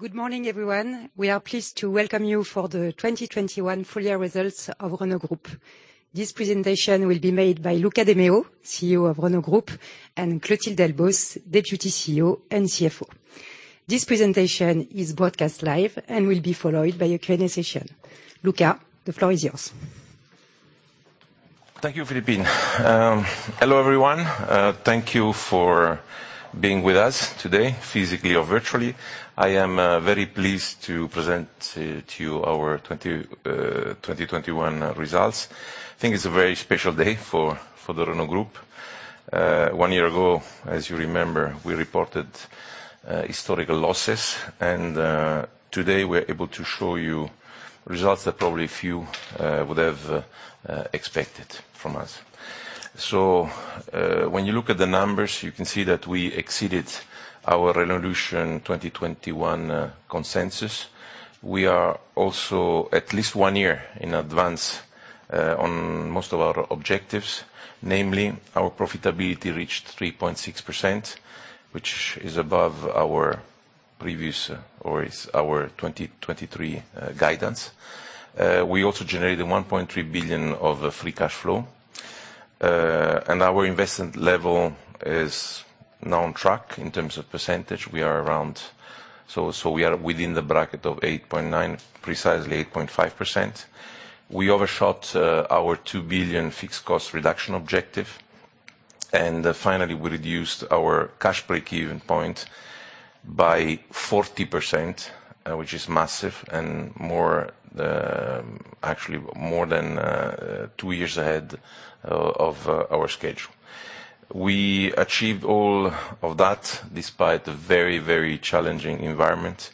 Good morning, everyone. We are pleased to welcome you for the 2021 full year results of Renault Group. This presentation will be made by Luca de Meo, CEO of Renault Group, and Clotilde Delbos, Deputy CEO and CFO. This presentation is broadcast live and will be followed by a Q&A session. Luca, the floor is yours. Thank you, Philippine. Hello, everyone. Thank you for being with us today, physically or virtually. I am very pleased to present to you our 2021 results. I think it's a very special day for the Renault Group. One year ago, as you remember, we reported historical losses, and today we're able to show you results that probably few would have expected from us. When you look at the numbers, you can see that we exceeded our Renaulution 2021 consensus. We are also at least one year in advance on most of our objectives. Namely, our profitability reached 3.6%, which is above our previous or is our 2023 guidance. We also generated 1.3 billion of free cash flow. And our investment level is now on track. In terms of percentage, we are within the bracket of 8.9, precisely 8.5%. We overshot our 2 billion fixed cost reduction objective. Finally, we reduced our cash breakeven point by 40%, which is massive and more, actually, more than two years ahead of our schedule. We achieved all of that despite the very, very challenging environment,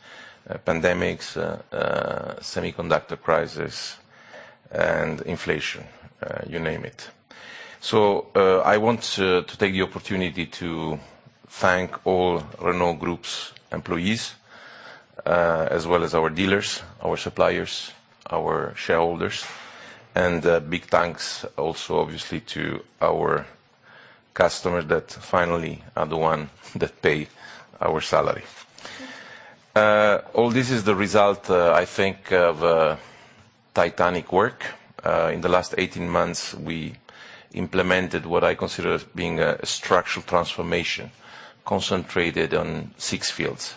pandemics, semiconductor crisis, and inflation, you name it. I want to take the opportunity to thank all Renault Group employees, as well as our dealers, our suppliers, our shareholders, and big thanks also, obviously, to our customers that finally are the one that pay our salary. All this is the result, I think, of titanic work. In the last 18 months, we implemented what I consider as being a structural transformation concentrated on six fields.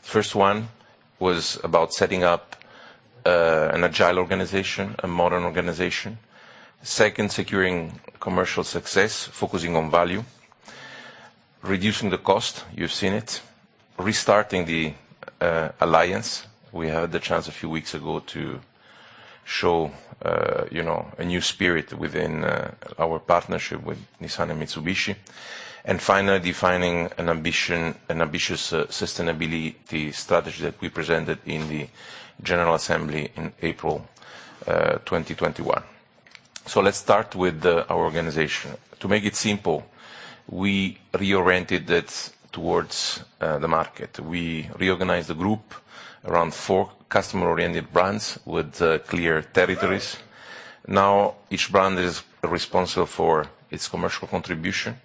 First one was about setting up an agile organization, a modern organization. Second, securing commercial success, focusing on value. Reducing the cost, you've seen it. Restarting the alliance. We had the chance a few weeks ago to show, you know, a new spirit within our partnership with Nissan and Mitsubishi. Finally, defining an ambition, an ambitious sustainability strategy that we presented in the general assembly in April 2021. Let's start with our organization. To make it simple, we reoriented it towards the market. We reorganized the group around four customer-oriented brands with clear territories. Now, each brand is responsible for its commercial contribution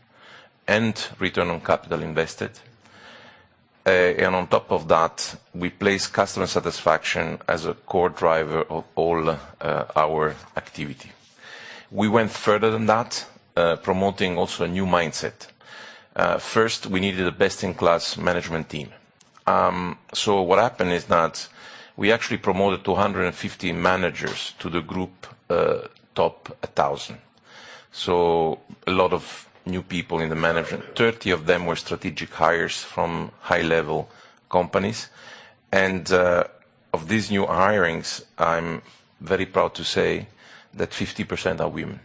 and return on capital invested. On top of that, we place customer satisfaction as a core driver of all our activity. We went further than that, promoting also a new mindset. First, we needed a best-in-class management team. So what happened is that we actually promoted 250 managers to the group top 1,000. A lot of new people in the management. 30 of them were strategic hires from high-level companies. Of these new hirings, I'm very proud to say that 50% are women.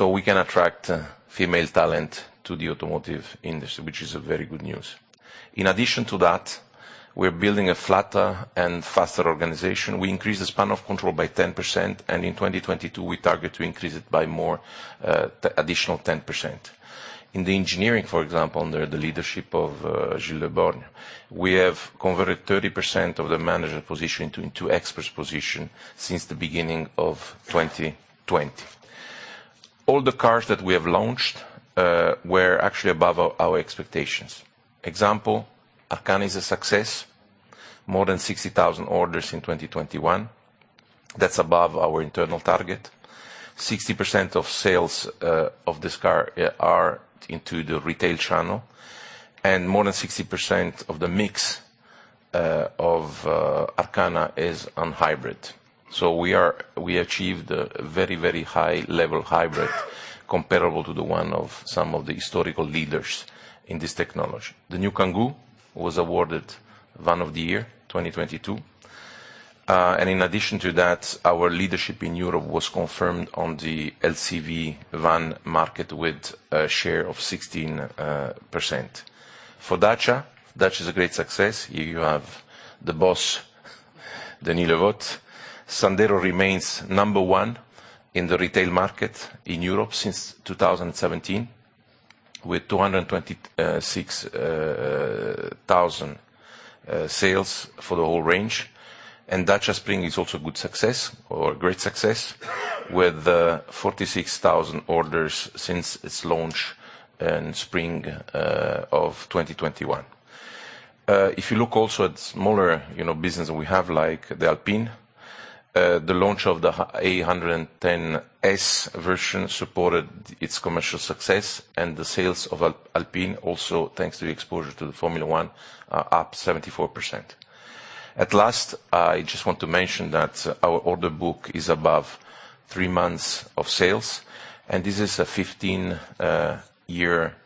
We can attract female talent to the automotive industry, which is a very good news. In addition to that, we're building a flatter and faster organization. We increased the span of control by 10%, and in 2022, we target to increase it by more additional 10%. In the engineering, for example, under the leadership of Gilles Le Borgne, we have converted 30% of the management position into expert position since the beginning of 2020. All the cars that we have launched were actually above our expectations. Example, Arkana is a success. More than 60,000 orders in 2021. That's above our internal target. 60% of sales of this car are into the retail channel, and more than 60% of the mix of Arkana is on hybrid. We achieved a very high level hybrid comparable to the one of some of the historical leaders in this technology. The New Kangoo was awarded International Van of the Year 2022. In addition to that, our leadership in Europe was confirmed on the LCV van market with a share of 16%. For Dacia is a great success. You have the boss, Denis Le Vot. Sandero remains number one in the retail market in Europe since 2017, with 226,000 sales for the whole range. Dacia Spring is also a good success or a great success. With 46,000 orders since its launch in spring of 2021. If you look also at smaller, you know, business we have, like the Alpine, the launch of the A110 S version supported its commercial success, and the sales of Alpine also, thanks to the exposure to the Formula One, are up 74%. At last, I just want to mention that our order book is above three months of sales, and this is a 15-year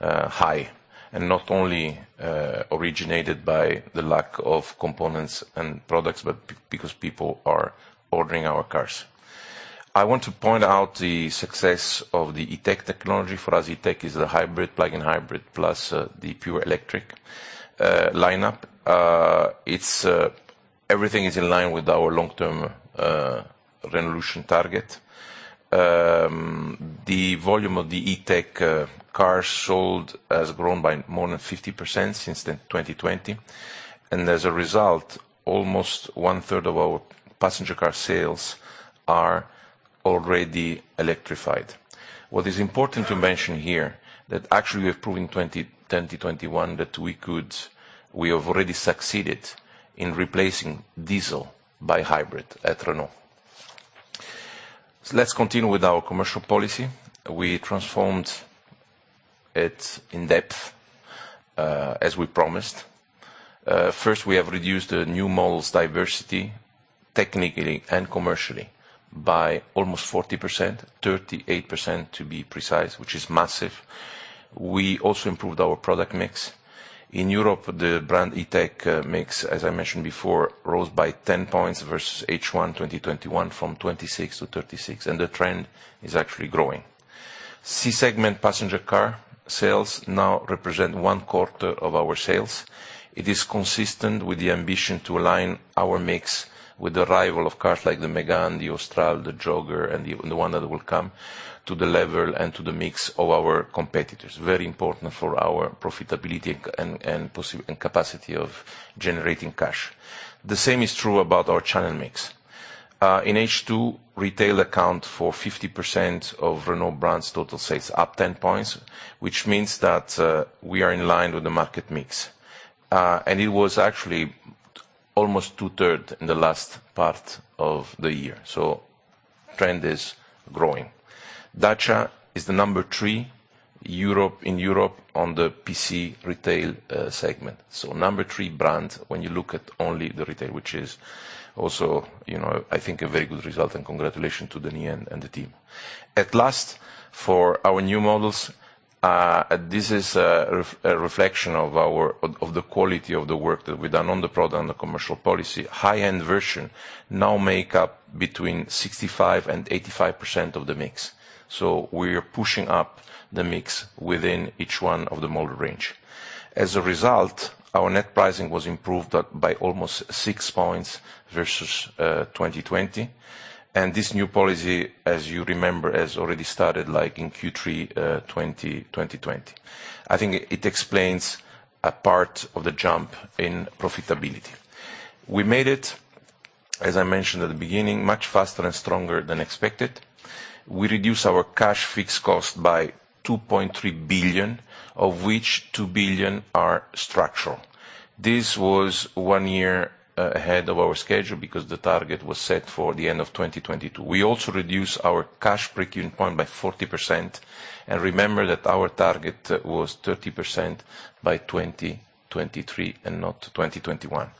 high, and not only originated by the lack of components and products, but because people are ordering our cars. I want to point out the success of the E-TECH technology. For us, E-TECH is the hybrid, plug-in hybrid, plus the pure electric lineup. Everything is in line with our long-term Renaulution target. The volume of the E-TECH cars sold has grown by more than 50% since then, 2020. As a result, almost one-third of our passenger car sales are already electrified. What is important to mention here, that actually we have proven 2021 that we could. We have already succeeded in replacing diesel by hybrid at Renault. Let's continue with our commercial policy. We transformed it in depth, as we promised. First, we have reduced the new models' diversity technically and commercially by almost 40%, 38% to be precise, which is massive. We also improved our product mix. In Europe, the brand E-TECH mix, as I mentioned before, rose by 10 points versus H1 2021 from 26%-36%, and the trend is actually growing. C-segment passenger car sales now represent one quarter of our sales. It is consistent with the ambition to align our mix with the arrival of cars like the Mégane, the Austral, the Jogger, and the one that will come to the level and to the mix of our competitors. Very important for our profitability and capacity of generating cash. The same is true about our channel mix. In H2, retail accounts for 50% of Renault brand's total sales, up 10 points, which means that we are in line with the market mix. It was actually almost two-thirds in the last part of the year. Trend is growing. Dacia is the number three in Europe on the PC retail segment. Number three brand when you look at only the retail, which is also, you know, I think a very good result, and congratulations to Denis and the team. Lastly, for our new models, this is a reflection of our, of the quality of the work that we've done on the product and the commercial policy. High-end versions now make up between 65%-85% of the mix. We're pushing up the mix within each one of the model range. As a result, our net pricing was improved by almost six points versus 2020. This new policy, as you remember, has already started, like, in Q3 2020. I think it explains a part of the jump in profitability. We made it, as I mentioned at the beginning, much faster and stronger than expected. We reduced our cash fixed cost by 2.3 billion, of which 2 billion are structural. This was one year ahead of our schedule because the target was set for the end of 2022. We also reduced our cash break-even point by 40%. Remember that our target was 30% by 2023 and not 2021.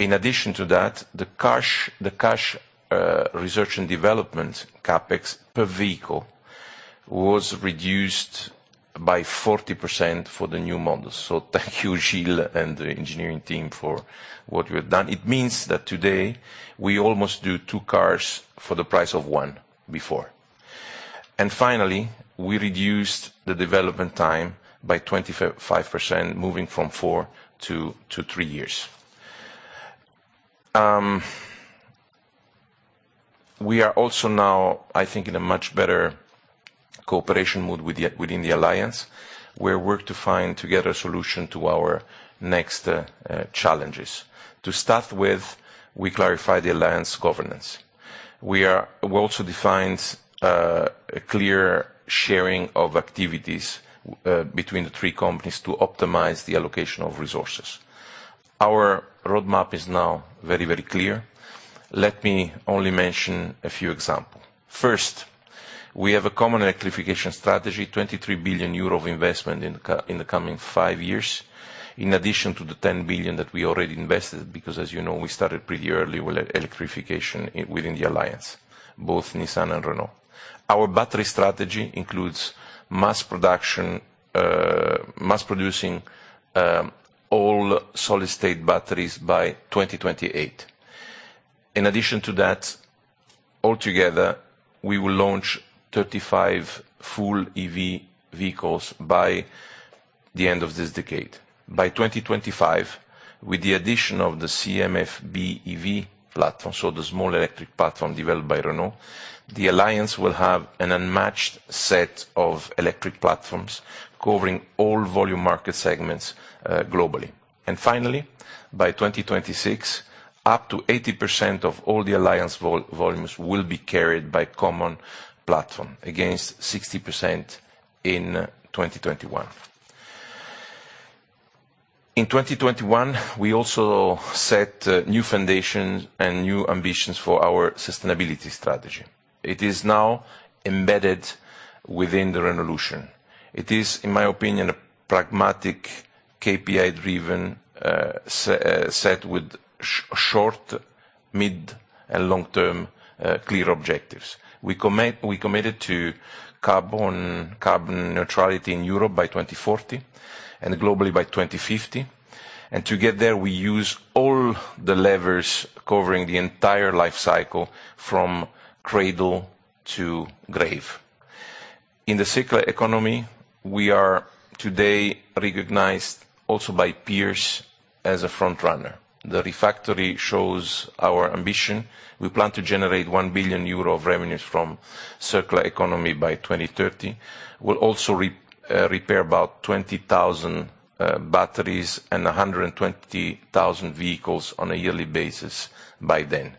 In addition to that, the cash research and development CapEx per vehicle was reduced by 40% for the new models. Thank you, Gilles and the engineering team for what you have done. It means that today we almost do two cars for the price of one before. Finally, we reduced the development time by 25%, moving from four to three years. We are also now, I think, in a much better cooperation mode within the alliance. We're working to find together a solution to our next challenges. To start with, we clarify the alliance governance. We also defined a clear sharing of activities between the three companies to optimize the allocation of resources. Our roadmap is now very, very clear. Let me only mention a few example. First, we have a common electrification strategy, 23 billion euro of investment in the coming five years, in addition to the 10 billion that we already invested, because as you know, we started pretty early with electrification within the alliance, both Nissan and Renault. Our battery strategy includes mass production, mass producing all-solid-state batteries by 2028. In addition to that, altogether, we will launch 35 full EV vehicles by the end of this decade. By 2025, with the addition of the CMF-B EV platform, so the small electric platform developed by Renault, the alliance will have an unmatched set of electric platforms covering all volume market segments, globally. Finally, by 2026, up to 80% of all the alliance volumes will be carried by common platform against 60% in 2021. In 2021, we also set new foundations and new ambitions for our sustainability strategy. It is now embedded within the Renaulution. It is, in my opinion, a pragmatic KPI-driven set with short, mid, and long-term clear objectives. We committed to carbon neutrality in Europe by 2040, and globally by 2050. To get there, we use all the levers covering the entire life cycle from cradle to grave. In the circular economy, we are today recognized also by peers as a frontrunner. The Refactory shows our ambition. We plan to generate 1 billion euro of revenues from circular economy by 2030. We'll also repair about 20,000 batteries and 120,000 vehicles on a yearly basis by then.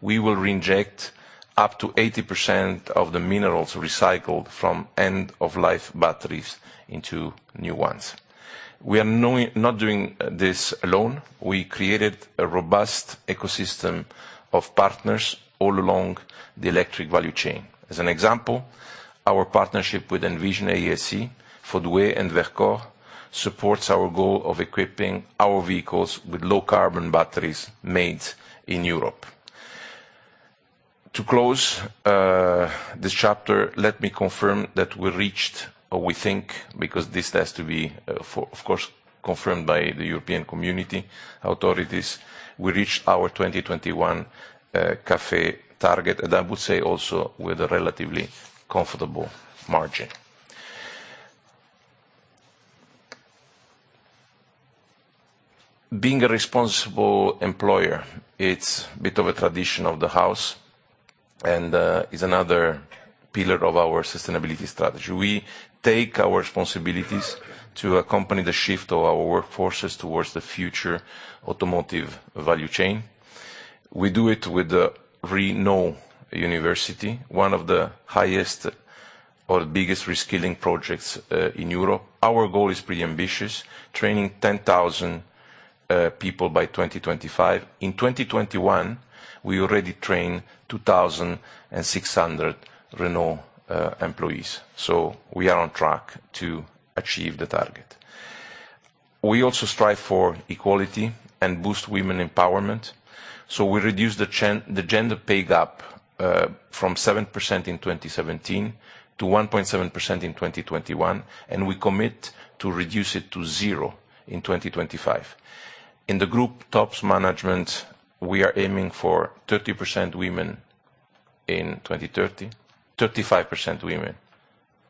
We will reinject up to 80% of the minerals recycled from end-of-life batteries into new ones. We are not doing this alone. We created a robust ecosystem of partners all along the electric value chain. As an example, our partnership with Envision AESC, Fordway, and Verkor supports our goal of equipping our vehicles with low-carbon batteries made in Europe. To close this chapter, let me confirm that we reached, or we think, because this has to be, of course, confirmed by the European Commission authorities, our 2021 CAFE target, and I would say also with a relatively comfortable margin. Being a responsible employer, it's a bit of a tradition of the house and is another pillar of our sustainability strategy. We take our responsibilities to accompany the shift of our workforces towards the future automotive value chain. We do it with the ReKnow University, one of the highest or biggest reskilling projects in Europe. Our goal is pretty ambitious, training 10,000 people by 2025. In 2021, we already trained 2,600 Renault employees. We are on track to achieve the target. We also strive for equality and boost women empowerment, so we reduce the gender pay gap from 7% in 2017 to 1.7% in 2021, and we commit to reduce it to 0% in 2025. In the Group top management, we are aiming for 30% women in 2030, 35% women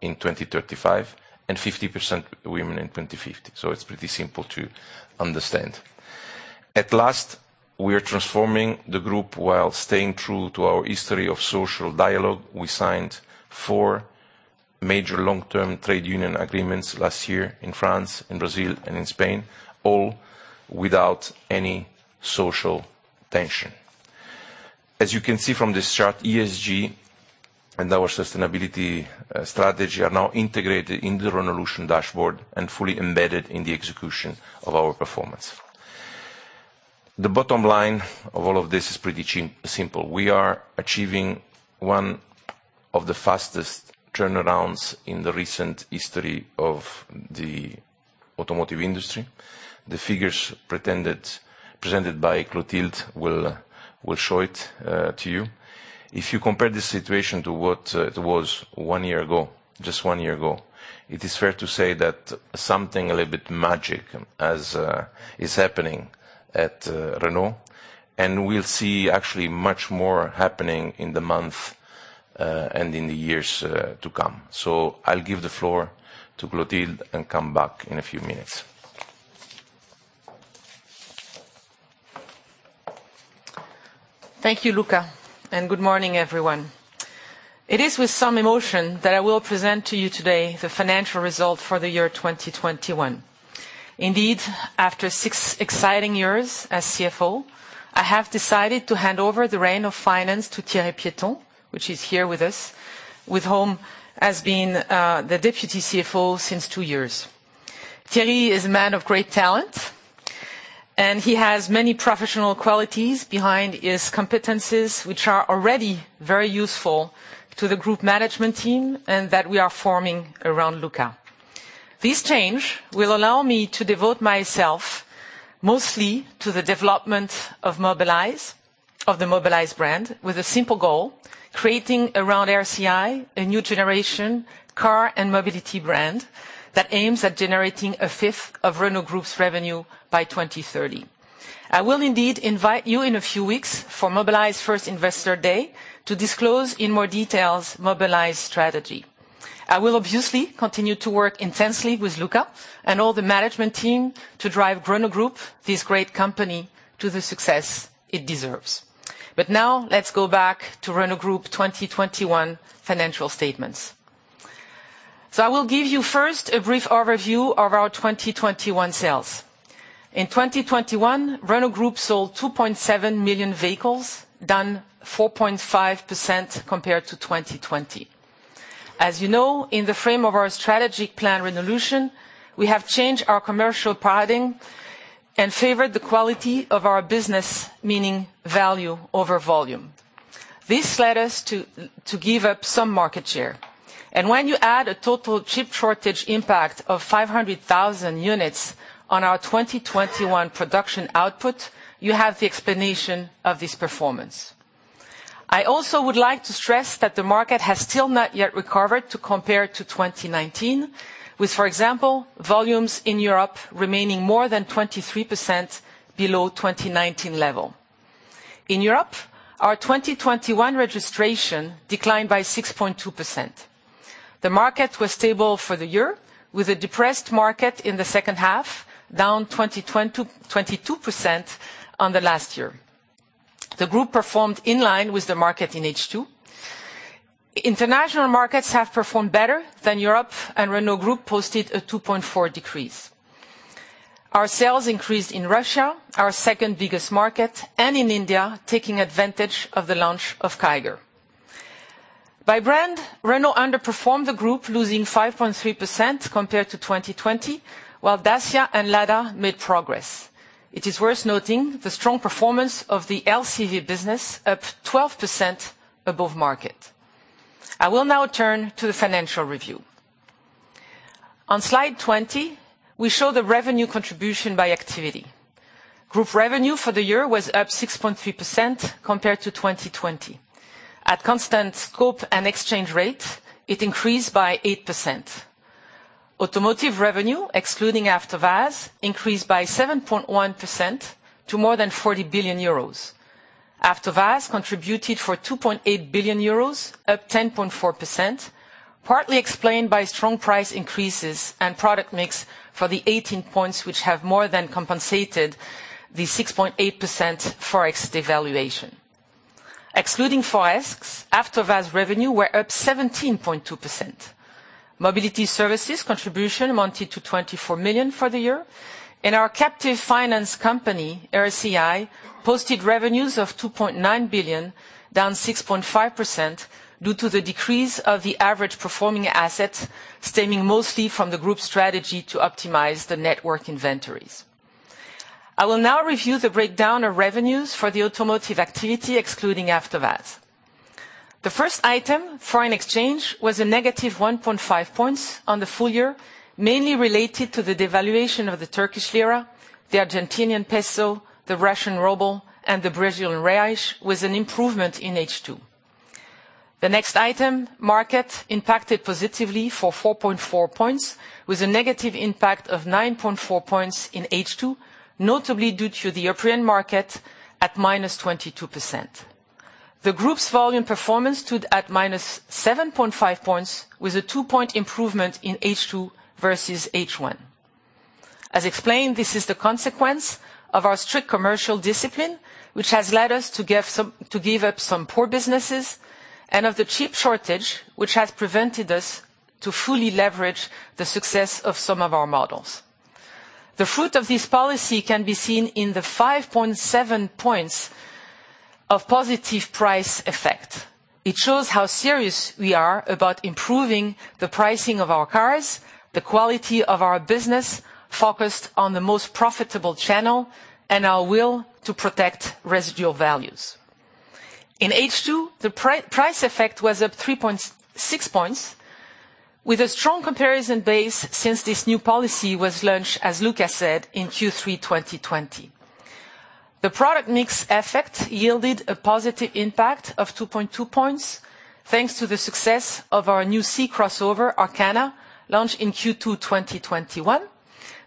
in 2035, and 50% women in 2050. It's pretty simple to understand. At last, we are transforming the group while staying true to our history of social dialogue. We signed four major long-term trade union agreements last year in France, in Brazil, and in Spain, all without any social tension. As you can see from this chart, ESG and our sustainability strategy are now integrated in the Renaulution dashboard and fully embedded in the execution of our performance. The bottom line of all of this is pretty simple. We are achieving one of the fastest turnarounds in the recent history of the automotive industry. The figures presented by Clotilde will show it to you. If you compare this situation to what it was one year ago, just one year ago, it is fair to say that something a little bit magic is happening at Renault. We'll see actually much more happening in the month and in the years to come. I'll give the floor to Clotilde and come back in a few minutes. Thank you, Luca, and good morning, everyone. It is with some emotion that I will present to you today the financial result for the year 2021. Indeed, after six exciting years as CFO, I have decided to hand over the reins of finance to Thierry Piéton, who is here with us, who has been the Deputy CFO since two years. Thierry is a man of great talent, and he has many professional qualities behind his competencies, which are already very useful to the group management team and that we are forming around Luca. This change will allow me to devote myself mostly to the development of Mobilize, of the Mobilize brand with a simple goal, creating around RCI, a new generation car and mobility brand that aims at generating a fifth of Renault Group's revenue by 2030. I will indeed invite you in a few weeks for Mobilize first Investor Day to disclose in more details Mobilize strategy. I will obviously continue to work intensely with Luca and all the management team to drive Renault Group, this great company, to the success it deserves. Now let's go back to Renault Group 2021 financial statements. I will give you first a brief overview of our 2021 sales. In 2021, Renault Group sold 2.7 million vehicles, down 4.5% compared to 2020. As you know, in the frame of our strategic plan Renaulution, we have changed our commercial policy and favored the quality of our business, meaning value over volume. This led us to give up some market share. When you add a total chip shortage impact of 500,000 units on our 2021 production output, you have the explanation of this performance. I also would like to stress that the market has still not yet recovered to compare to 2019, with, for example, volumes in Europe remaining more than 23% below 2019 level. In Europe, our 2021 registration declined by 6.2%. The market was stable for the year, with a depressed market in the second half, down 22% on the last year. The Group performed in line with the market in H2. International markets have performed better than Europe, and Renault Group posted a 2.4% decrease. Our sales increased in Russia, our second-biggest market, and in India, taking advantage of the launch of Kiger. By brand, Renault underperformed the group, losing 5.3% compared to 2020, while Dacia and Lada made progress. It is worth noting the strong performance of the LCV business, up 12% above market. I will now turn to the financial review. On slide 20, we show the revenue contribution by activity. Group revenue for the year was up 6.3% compared to 2020. At constant scope and exchange rate, it increased by 8%. Automotive revenue, excluding After Sales, increased by 7.1% to more than 40 billion euros. After Sales contributed for 2.8 billion euros, up 10.4%, partly explained by strong price increases and product mix for the 18 points which have more than compensated the 6.8% ForEx devaluation. Excluding ForEx, After Sales revenue were up 17.2%. Mobility Services contribution amounted to 24 million for the year. Our captive finance company, RCI, posted revenues of 2.9 billion, down 6.5% due to the decrease of the average performing assets, stemming mostly from the Group strategy to optimize the network inventories. I will now review the breakdown of revenues for the automotive activity, excluding After Sales. The first item, foreign exchange, was -1.5 points on the full year, mainly related to the devaluation of the Turkish lira, the Argentinian peso, the Russian ruble, and the Brazilian real, with an improvement in H2. The next item, market, impacted positively for 4.4 points, with a negative impact of 9.4 points in H2, notably due to the European market at -22%. The Group's volume performance stood at -7.5 points, with a 2-point improvement in H2 versus H1. As explained, this is the consequence of our strict commercial discipline, which has led us to give up some poor businesses, and of the chip shortage, which has prevented us to fully leverage the success of some of our models. The fruit of this policy can be seen in the 5.7 points of positive price effect. It shows how serious we are about improving the pricing of our cars, the quality of our business focused on the most profitable channel, and our will to protect residual values. In H2, the price effect was up 3.6 points, with a strong comparison base since this new policy was launched, as Luca said, in Q3 2020. The product mix effect yielded a positive impact of 2.2 points, thanks to the success of our new C crossover, Arkana, launched in Q2 2021,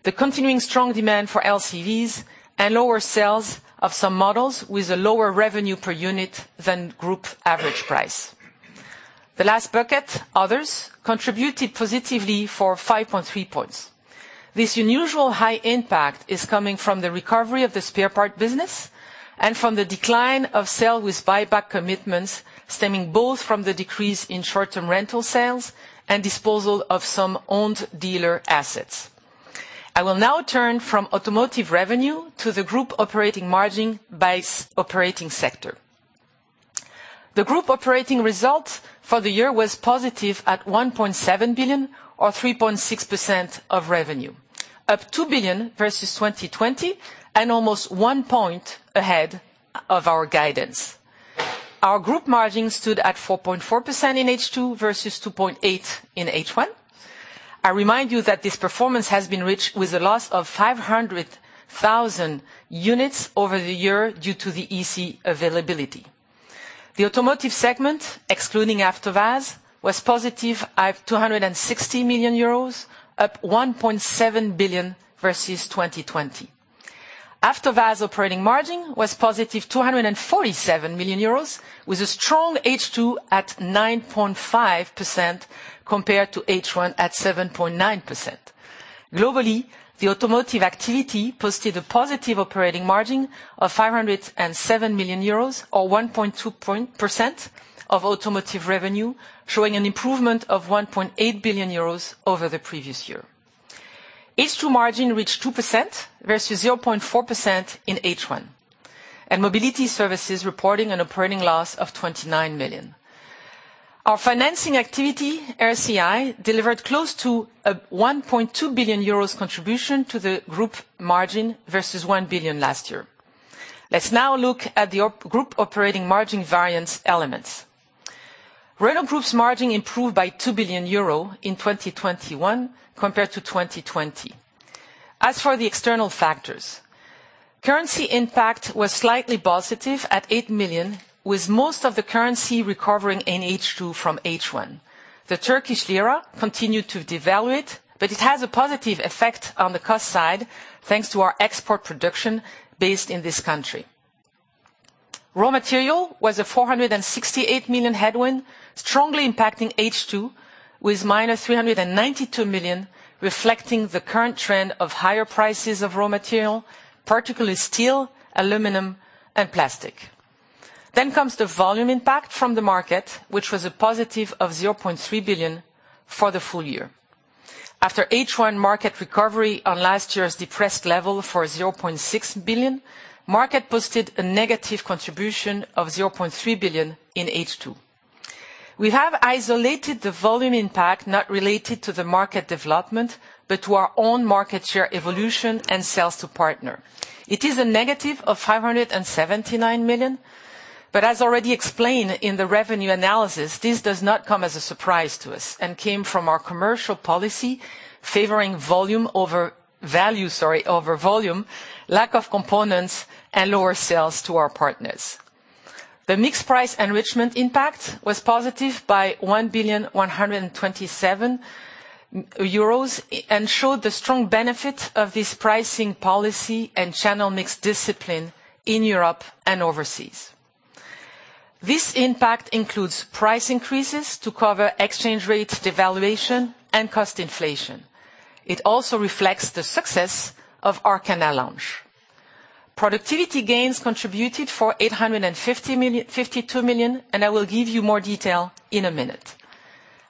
the continuing strong demand for LCVs, and lower sales of some models with a lower revenue per unit than Group average price. The last bucket, others, contributed positively for 5.3 points. This unusually high impact is coming from the recovery of the spare part business and from the decline of sales with buyback commitments, stemming both from the decrease in short-term rental sales and disposal of some owned dealer assets. I will now turn from automotive revenue to the Group operating margin by operating sector. The Group operating result for the year was positive at 1.7 billion or 3.6% of revenue, up 2 billion versus 2020 and almost one point ahead of our guidance. Our Group margin stood at 4.4% in H2 versus 2.8% in H1. I remind you that this performance has been reached with a loss of 500,000 units over the year due to the electronic components availability. The automotive segment, excluding After Sales, was positive at 260 million euros, up 1.7 billion versus 2020. After Sales operating margin was positive 247 million euros, with a strong H2 at 9.5% compared to H1 at 7.9%. Globally, the automotive activity posted a positive operating margin of 507 million euros or 1.2% of automotive revenue, showing an improvement of 1 billion euros over the previous year. H2 margin reached 2% versus 0.4% in H1, and mobility services reporting an operating loss of 29 million. Our financing activity, RCI, delivered close to 1.2 billion euros contribution to the group margin versus 1 billion last year. Let's now look at the group operating margin variance elements. Renault Group's margin improved by 2 billion euro in 2021 compared to 2020. As for the external factors, currency impact was slightly positive at 8 million, with most of the currency recovering in H2 from H1. The Turkish lira continued to devalue, but it has a positive effect on the cost side, thanks to our export production based in this country. Raw material was a 468 million headwind, strongly impacting H2, with -392 million, reflecting the current trend of higher prices of raw material, particularly steel, aluminum, and plastic. Comes the volume impact from the market, which was a positive of 0.3 billion for the full year. After H1 market recovery on last year's depressed level for 0.6 billion, market posted a negative contribution of 0.3 billion in H2. We have isolated the volume impact not related to the market development, but to our own market share evolution and sales to partner. It is a negative of 579 million, but as already explained in the revenue analysis, this does not come as a surprise to us, and came from our commercial policy favoring volume over value, sorry, over volume, lack of components, and lower sales to our partners. The mix price enrichment impact was positive by 1,127 million euros, and showed the strong benefit of this pricing policy and channel mix discipline in Europe and overseas. This impact includes price increases to cover exchange rates, devaluation, and cost inflation. It also reflects the success of Arkana launch. Productivity gains contributed for 852 million, and I will give you more detail in a minute.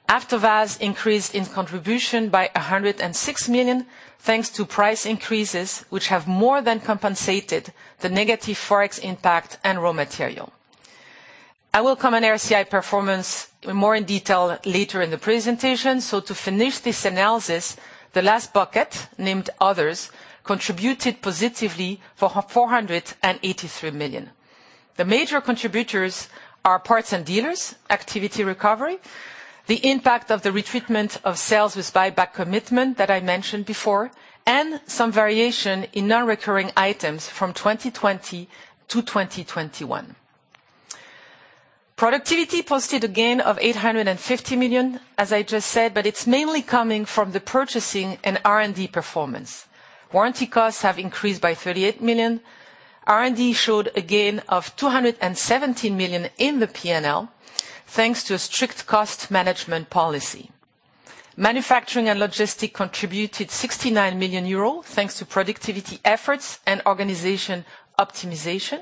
Afterwards increased in contribution by 106 million, thanks to price increases which have more than compensated the negative Forex impact and raw material. I will comment on RCI performance in more detail later in the presentation. To finish this analysis, the last bucket, named Others, contributed positively for 483 million. The major contributors are parts and dealers activity recovery, the impact of the retreatment of sales with buyback commitment that I mentioned before, and some variation in non-recurring items from 2020 to 2021. Productivity posted a gain of 850 million, as I just said, but it's mainly coming from the purchasing and R&D performance. Warranty costs have increased by 38 million. R&D showed a gain of 217 million in the P&L, thanks to a strict cost management policy. Manufacturing and logistic contributed 69 million euros, thanks to productivity efforts and organization optimization.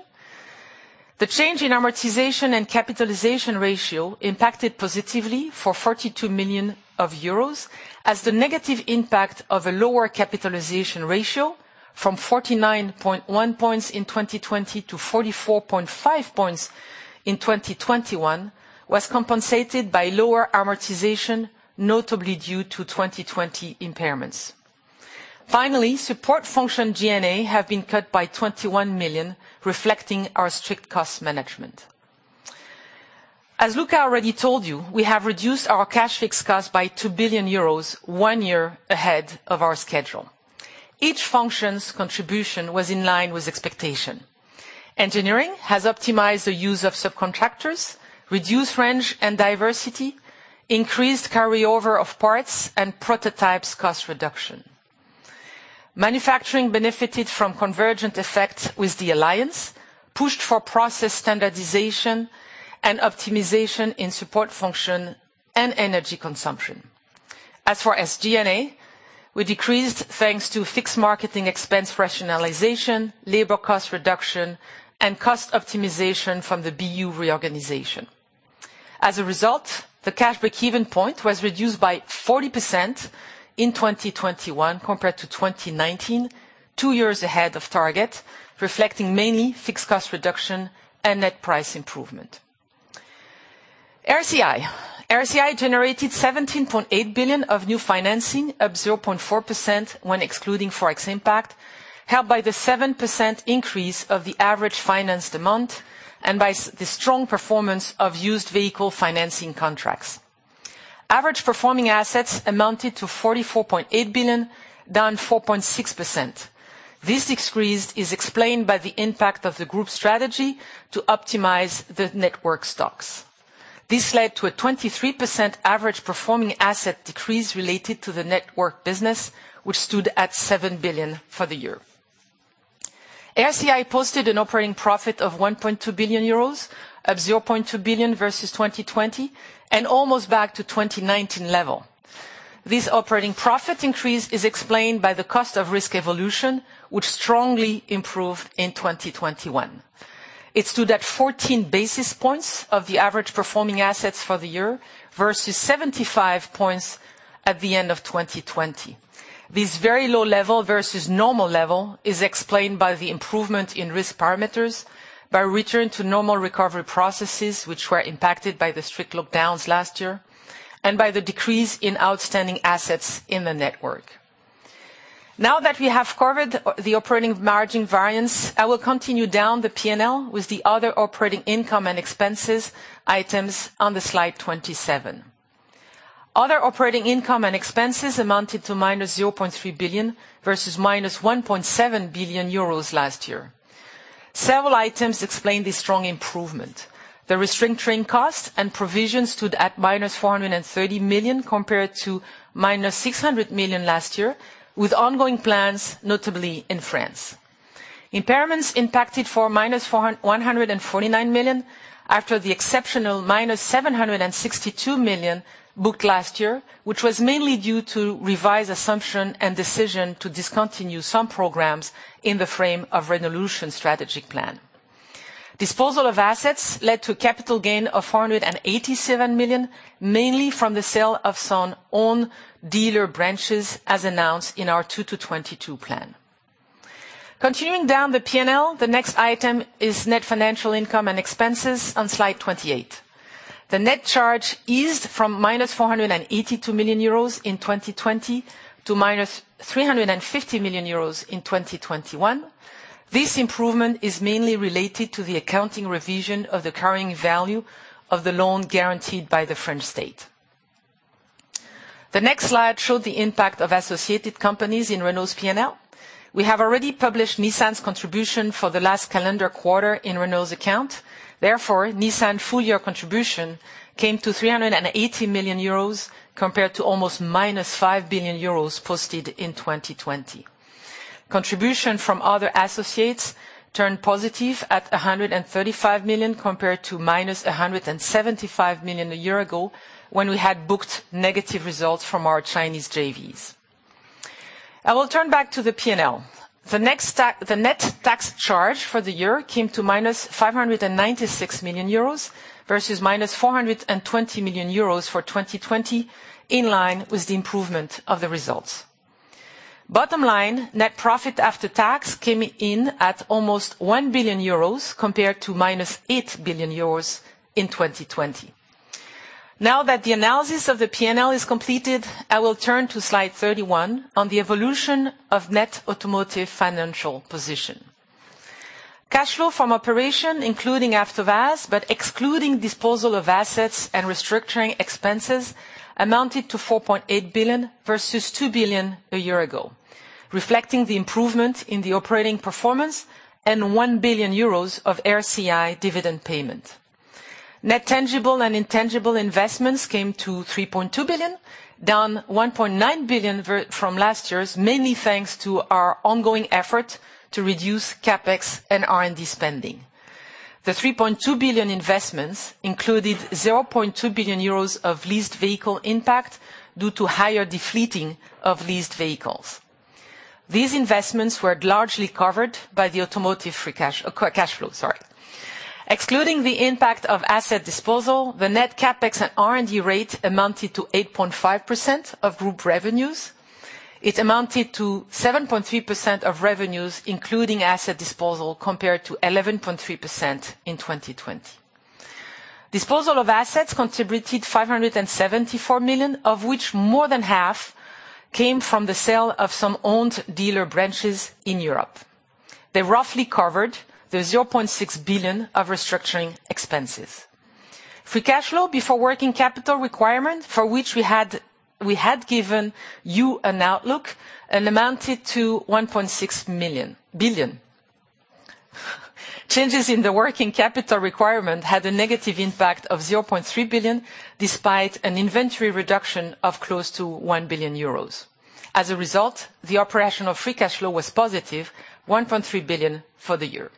The change in amortization and capitalization ratio impacted positively for 42 million euros, as the negative impact of a lower capitalization ratio from 49.1 points in 2020 to 44.5 points in 2021 was compensated by lower amortization, notably due to 2020 impairments. Finally, support function G&A have been cut by 21 million, reflecting our strict cost management. As Luca already told you, we have reduced our cash fixed costs by 2 billion euros, one year ahead of our schedule. Each function's contribution was in line with expectation. Engineering has optimized the use of subcontractors, reduced range and diversity, increased carryover of parts, and prototypes cost reduction. Manufacturing benefited from convergent effect with the alliance, pushed for process standardization and optimization in support function and energy consumption. As for SG&A, we decreased thanks to fixed marketing expense rationalization, labor cost reduction, and cost optimization from the BU reorganization. As a result, the cash break-even point was reduced by 40% in 2021 compared to 2019, two years ahead of target, reflecting mainly fixed cost reduction and net price improvement. RCI. RCI generated 17.8 billion of new financing, up 0.4% when excluding ForEx impact, helped by the 7% increase of the average financed amount and by the strong performance of used vehicle financing contracts. Average performing assets amounted to 44.8 billion, down 4.6%. This decrease is explained by the impact of the group strategy to optimize the network stocks. This led to a 23% average performing asset decrease related to the network business, which stood at 7 billion for the year. RCI posted an operating profit of 1.2 billion euros, up 0.2 billion versus 2020, and almost back to 2019 level. This operating profit increase is explained by the cost of risk evolution, which strongly improved in 2021. It's stood at 14 basis points of the average performing assets for the year, versus 75 points at the end of 2020. This very low level versus normal level is explained by the improvement in risk parameters, by return to normal recovery processes, which were impacted by the strict lockdowns last year, and by the decrease in outstanding assets in the network. Now that we have covered the operating margin variance, I will continue down the P&L with the other operating income and expenses items on the slide 27. Other operating income and expenses amounted to -0.3 billion versus -1.7 billion euros last year. Several items explain this strong improvement. The restructuring costs and provisions stood at -430 million, compared to -600 million last year, with ongoing plans, notably in France. Impairments impacted -401 million after the exceptional -762 million booked last year, which was mainly due to revised assumption and decision to discontinue some programs in the frame of Renaulution Strategic Plan. Disposal of assets led to a capital gain of 487 million, mainly from the sale of some own dealer branches, as announced in our 2022 plan. Continuing down the P&L, the next item is net financial income and expenses on slide 28. The net charge eased from -482 million euros in 2020 to -350 million euros in 2021. This improvement is mainly related to the accounting revision of the carrying value of the loan guaranteed by the French state. The next slide shows the impact of associated companies in Renault's P&L. We have already published Nissan's contribution for the last calendar quarter in Renault's account. Therefore, Nissan full year contribution came to 380 million euros compared to almost -5 billion euros posted in 2020. Contribution from other associates turned positive at 135 million compared to -175 million a year ago when we had booked negative results from our Chinese JVs. I will turn back to the P&L. The net tax charge for the year came to -596 million euros versus -420 million euros for 2020, in line with the improvement of the results. Bottom line, net profit after tax came in at almost 1 billion euros compared to -8 billion euros in 2020. Now that the analysis of the P&L is completed, I will turn to slide 31 on the evolution of net automotive financial position. Cash flow from operation, including after-tax, but excluding disposal of assets and restructuring expenses, amounted to 4.8 billion versus 2 billion a year ago, reflecting the improvement in the operating performance and 1 billion euros of RCI dividend payment. Net tangible and intangible investments came to 3.2 billion, down 1.9 billion from last year, mainly thanks to our ongoing effort to reduce CapEx and R&D spending. The 3.2 billion investments included 0.2 billion euros of leased vehicle impact due to higher de-fleeting of leased vehicles. These investments were largely covered by the automotive free cash flow. Excluding the impact of asset disposal, the net CapEx and R&D rate amounted to 8.5% of group revenues. It amounted to 7.3% of revenues, including asset disposal, compared to 11.3% in 2020. Disposal of assets contributed 574 million, of which more than half came from the sale of some owned dealer branches in Europe. They roughly covered the 0.6 billion of restructuring expenses. Free cash flow before working capital requirement, for which we had given you an outlook, and amounted to 1.6 billion. Changes in the working capital requirement had a negative impact of 0.3 billion, despite an inventory reduction of close to 1 billion euros. As a result, the operational free cash flow was positive 1.3 billion for the year.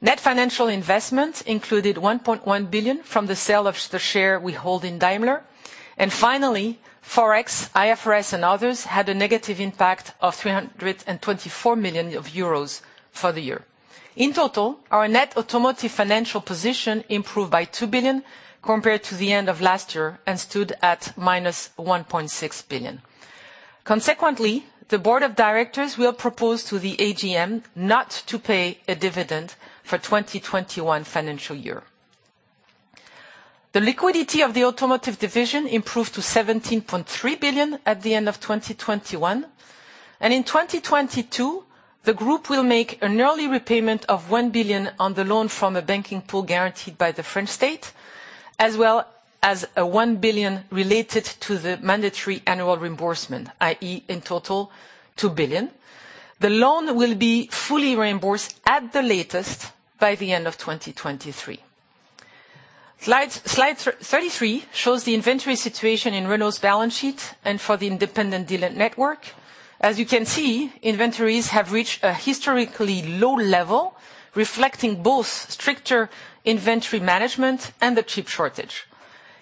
Net financial investment included 1.1 billion from the sale of the share we hold in Daimler. Finally, Forex, IFRS, and others had a negative impact of 324 million euros for the year. In total, our net automotive financial position improved by 2 billion compared to the end of last year and stood at -1.6 billion. Consequently, the board of directors will propose to the AGM not to pay a dividend for 2021 financial year. The liquidity of the automotive division improved to 17.3 billion at the end of 2021. In 2022, the group will make an early repayment of 1 billion on the loan from a banking pool guaranteed by the French state, as well as 1 billion related to the mandatory annual reimbursement, i.e., in total, 2 billion. The loan will be fully reimbursed at the latest by the end of 2023. Slide thirty-three shows the inventory situation in Renault's balance sheet and for the independent dealer network. As you can see, inventories have reached a historically low level, reflecting both stricter inventory management and the chip shortage.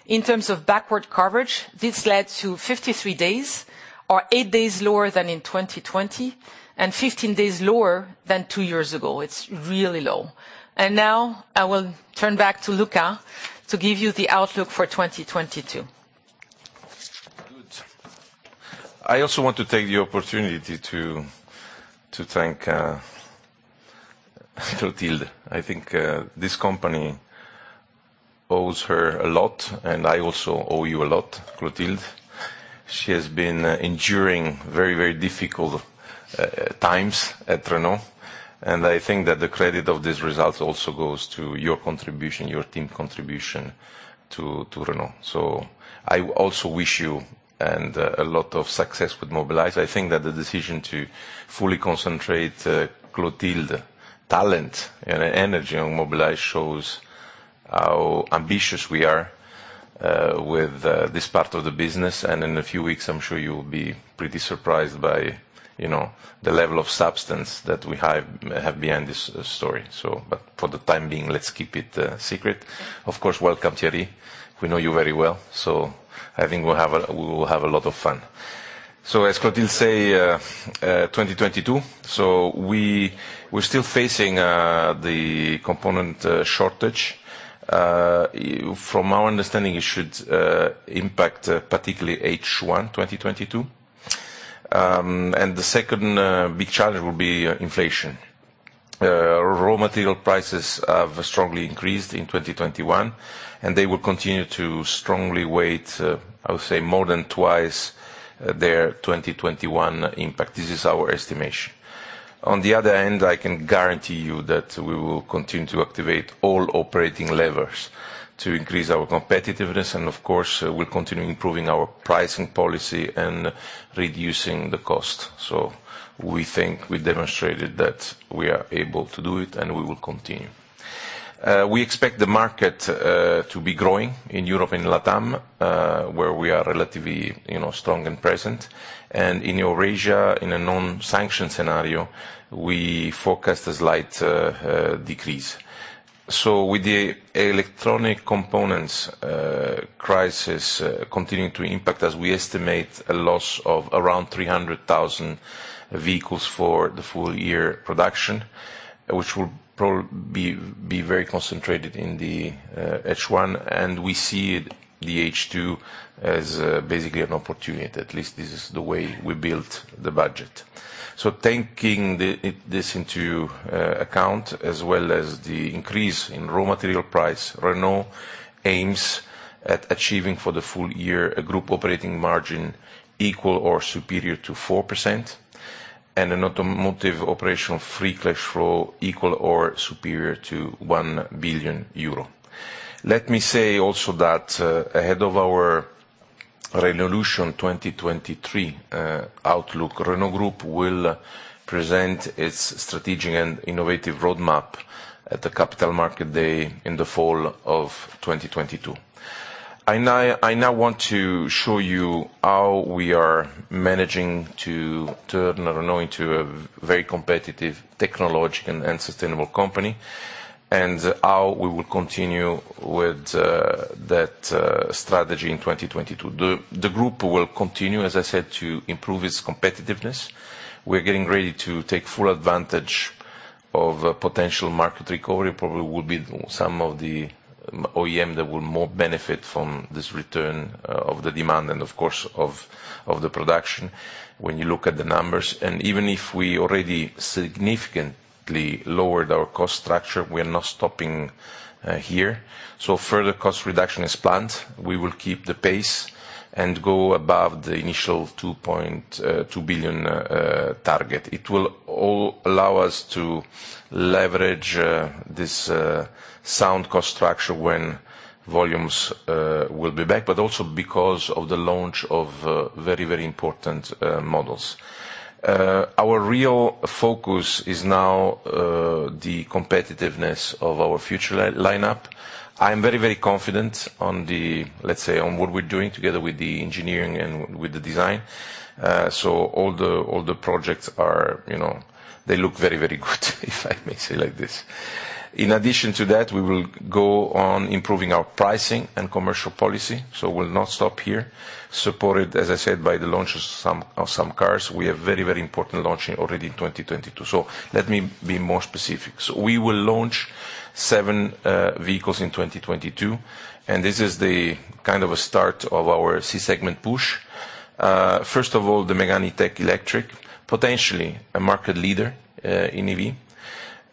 In terms of backward coverage, this led to 53 days or eight days lower than in 2020 and 15 days lower than two years ago. It's really low. Now I will turn back to Luca to give you the outlook for 2022. Good. I also want to take the opportunity to thank Clotilde. I think this company owes her a lot, and I also owe you a lot, Clotilde. She has been enduring very difficult times at Renault, and I think that the credit of these results also goes to your contribution, your team contribution to Renault. I also wish you a lot of success with Mobilize. I think that the decision to fully concentrate Clotilde talent and energy on Mobilize shows how ambitious we are with this part of the business. In a few weeks, I'm sure you will be pretty surprised by you know, the level of substance that we have behind this story. But for the time being, let's keep it a secret. Of course, welcome, Thierry. We know you very well, so I think we'll have a lot of fun. As Clotilde says, 2022, we're still facing the component shortage. From our understanding, it should impact particularly H1 2022. The second big challenge will be inflation. Raw material prices have strongly increased in 2021, and they will continue to strongly weigh, I would say, more than twice their 2021 impact. This is our estimation. On the other hand, I can guarantee you that we will continue to activate all operating levers to increase our competitiveness, and of course, we'll continue improving our pricing policy and reducing the cost. We think we demonstrated that we are able to do it, and we will continue. We expect the market to be growing in Europe and Latam, where we are relatively, you know, strong and present. In Eurasia, in a non-sanction scenario, we forecast a slight decrease. With the electronic components crisis continuing to impact us, we estimate a loss of around 300,000 vehicles for the full year production, which will probably be very concentrated in the H1, and we see it, the H2 as basically an opportunity. At least this is the way we built the budget. Taking this into account, as well as the increase in raw material price, Renault aims at achieving for the full year a group operating margin equal or superior to 4% and an automotive operational free cash flow equal or superior to 1 billion euro. Let me say also that ahead of our Renaulution 2023 outlook, Renault Group will present its strategic and innovative roadmap at the Capital Market Day in the fall of 2022. I now want to show you how we are managing to turn Renault into a very competitive technological and sustainable company and how we will continue with that strategy in 2022. The group will continue, as I said, to improve its competitiveness. We're getting ready to take full advantage of a potential market recovery. Probably we'll be some of the OEM that will more benefit from this return of the demand and of course of the production when you look at the numbers. Even if we already significantly lowered our cost structure, we're not stopping here. Further cost reduction is planned. We will keep the pace and go above the initial 2.2 billion target. It will all allow us to leverage this sound cost structure when volumes will be back, but also because of the launch of very, very important models. Our real focus is now the competitiveness of our future lineup. I'm very, very confident on the, let's say, on what we're doing together with the engineering and with the design. All the projects are, you know, they look very, very good, if I may say like this. In addition to that, we will go on improving our pricing and commercial policy. We'll not stop here. Supported, as I said, by the launch of some cars, we have very, very important launches already in 2022. Let me be more specific. We will launch seven vehicles in 2022, and this is the kind of a start of our C-segment push. First of all, the Mégane E-Tech Electric, potentially a market leader in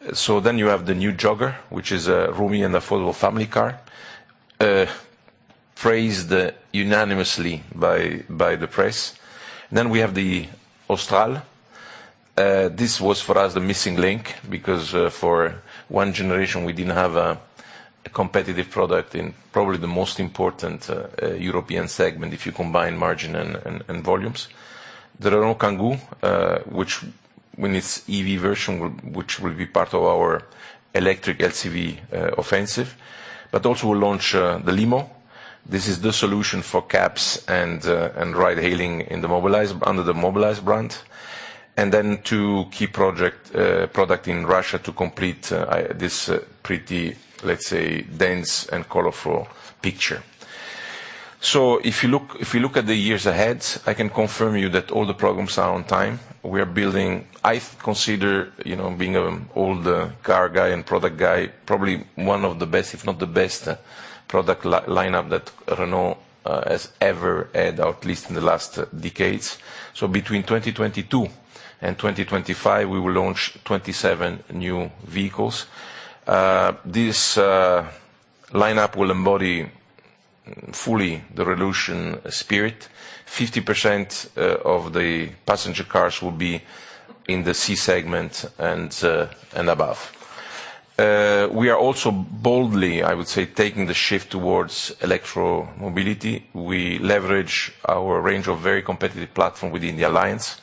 EV. You have the new Jogger, which is a roomy and affordable family car, praised unanimously by the press. We have the Austral. This was for us the missing link because, for one generation we didn't have a competitive product in probably the most important European segment, if you combine margin and volumes. The Renault Kangoo, which, when it's EV version, will be part of our electric LCV offensive, but also will launch the Limo. This is the solution for cabs and ride hailing in the Mobilize, under the Mobilize brand. Two key projects, products in Russia to complete this pretty, let's say, dense and colorful picture. If you look at the years ahead, I can confirm you that all the programs are on time. We are building. I consider, you know, being an old car guy and product guy, probably one of the best, if not the best product lineup that Renault has ever had, or at least in the last decades. Between 2022 and 2025, we will launch 27 new vehicles. This lineup will embody fully the Renaulution spirit. 50% of the passenger cars will be in the C segment and above. We are also boldly, I would say, taking the shift towards electromobility. We leverage our range of very competitive platform within the alliance.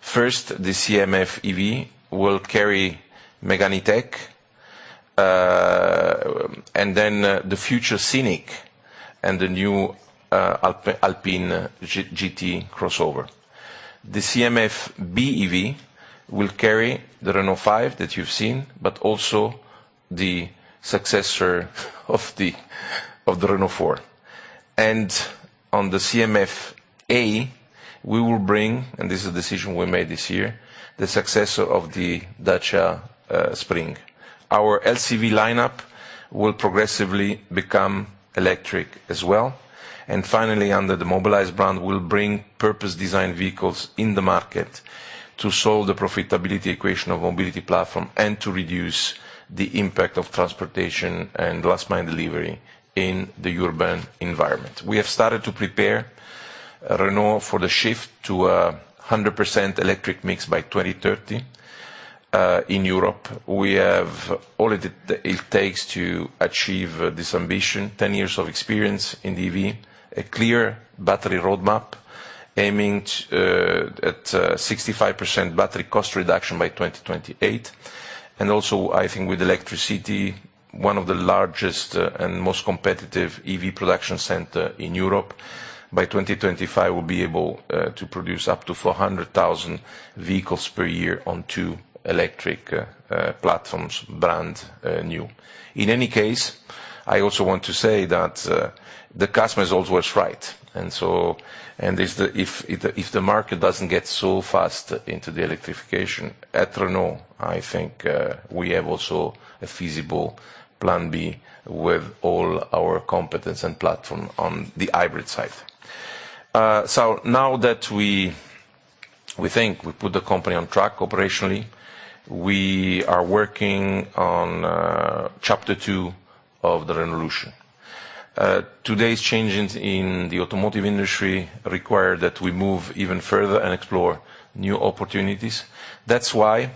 First, the CMF EV will carry Mégane E-Tech, and then the future Scénic and the new Alpine GT crossover. The CMF BEV will carry the Renault 5 that you've seen, but also the successor of the Renault 4. On the CMF A, we will bring, and this is a decision we made this year, the successor of the Dacia Spring. Our LCV lineup will progressively become electric as well. Finally, under the Mobilize brand, we'll bring purpose-designed vehicles in the market to solve the profitability equation of mobility platform and to reduce the impact of transportation and last mile delivery in the urban environment. We have started to prepare Renault for the shift to 100% electric mix by 2030 in Europe. We have all it takes to achieve this ambition, 10 years of experience in EV, a clear battery roadmap aiming at 65% battery cost reduction by 2028. I think with ElectriCity, one of the largest and most competitive EV production center in Europe. By 2025, we'll be able to produce up to 400,000 vehicles per year on two electric platforms brand new. In any case, I also want to say that the customer is always right. If the market doesn't get so fast into the electrification, at Renault, I think we have also a feasible plan B with all our competence and platform on the hybrid side. Now that we think we put the company on track operationally, we are working on chapter two of the Renaulution. Today's changes in the automotive industry require that we move even further and explore new opportunities. That's why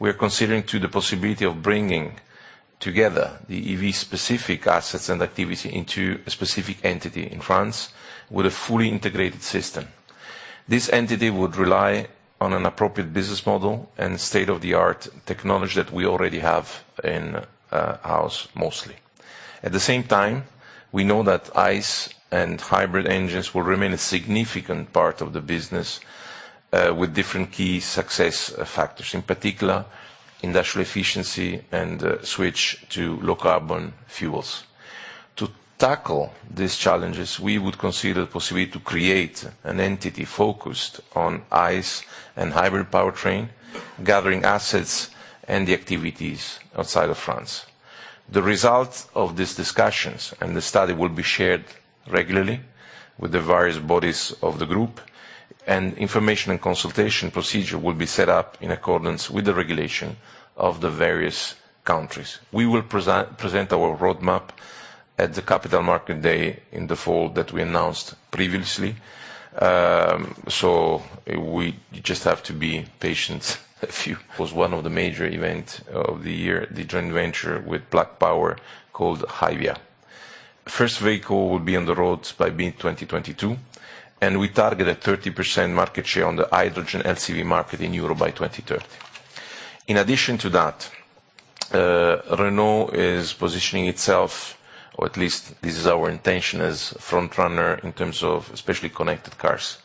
we're considering to the possibility of bringing together the EV specific assets and activity into a specific entity in France with a fully integrated system. This entity would rely on an appropriate business model and state-of-the-art technology that we already have in-house, mostly. At the same time, we know that ICE and hybrid engines will remain a significant part of the business, with different key success factors, in particular, industrial efficiency and switch to low carbon fuels. To tackle these challenges, we would consider the possibility to create an entity focused on ICE and hybrid powertrain, gathering assets and the activities outside of France. The results of these discussions and the study will be shared regularly with the various bodies of the group, and information and consultation procedure will be set up in accordance with the regulation of the various countries. We will present our roadmap at the Capital Market Day in the fall that we announced previously. One of the major events of the year, the joint venture with Plug Power called HYVIA. First vehicle will be on the roads by mid-2022, and we target a 30% market share on the hydrogen LCV market in Europe by 2030. In addition to that, Renault is positioning itself, or at least this is our intention, as a front runner in terms of especially connected cars.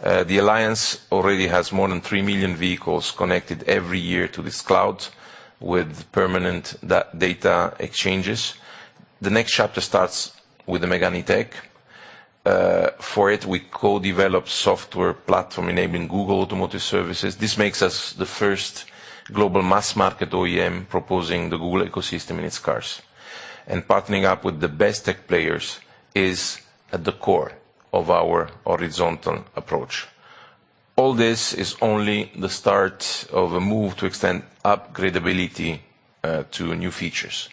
The Alliance already has more than 3 million vehicles connected every year to this cloud with permanent data exchanges. The next chapter starts with the Mégane E-Tech. For it, we co-develop software platform enabling Google Automotive Services. This makes us the first global mass market OEM proposing the Google ecosystem in its cars. Partnering up with the best tech players is at the core of our horizontal approach. All this is only the start of a move to extend upgradeability to new features.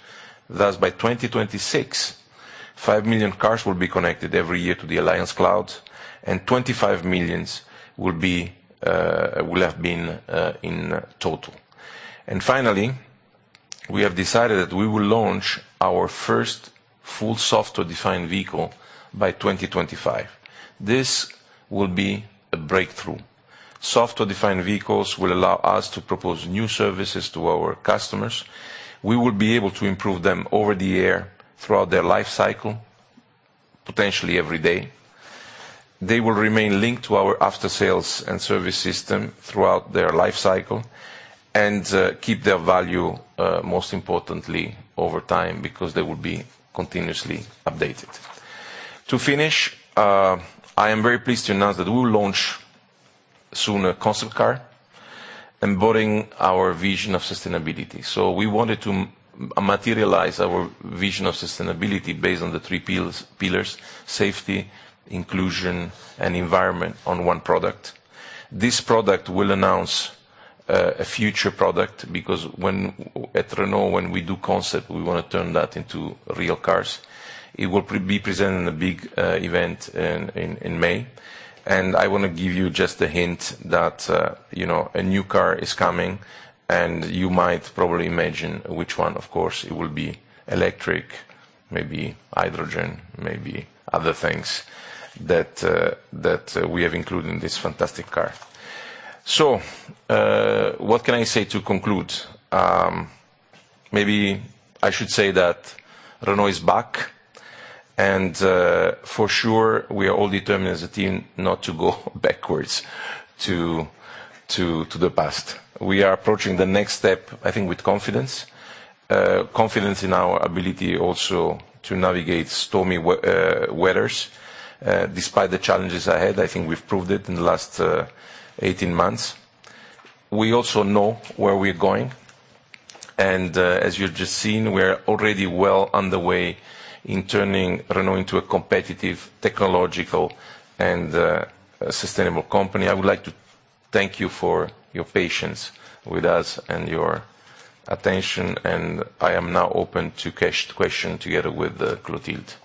Thus, by 2026, 5 million cars will be connected every year to the Alliance cloud, and 25 million will have been in total. Finally, we have decided that we will launch our first full software-defined vehicle by 2025. This will be a breakthrough. Software-defined vehicles will allow us to propose new services to our customers. We will be able to improve them over the air throughout their life cycle, potentially every day. They will remain linked to our after-sales and service system throughout their life cycle and keep their value, most importantly, over time, because they will be continuously updated. To finish, I am very pleased to announce that we will launch soon a concept car embodying our vision of sustainability. We wanted to materialize our vision of sustainability based on the three pillars, safety, inclusion and environment on one product. This product will announce a future product because at Renault, when we do concept, we want to turn that into real cars. It will be presented in a big event in May. I want to give you just a hint that, you know, a new car is coming, and you might probably imagine which one. Of course, it will be electric, maybe hydrogen, maybe other things that we have included in this fantastic car. What can I say to conclude? Maybe I should say that Renault is back, and for sure, we are all determined as a team not to go backwards to the past. We are approaching the next step, I think, with confidence. Confidence in our ability also to navigate stormy weathers despite the challenges ahead. I think we've proved it in the last 18 months. We also know where we're going, and as you've just seen, we're already well on the way in turning Renault into a competitive, technological and sustainable company. I would like to thank you for your patience with us and your attention, and I am now open to questions together with Clotilde.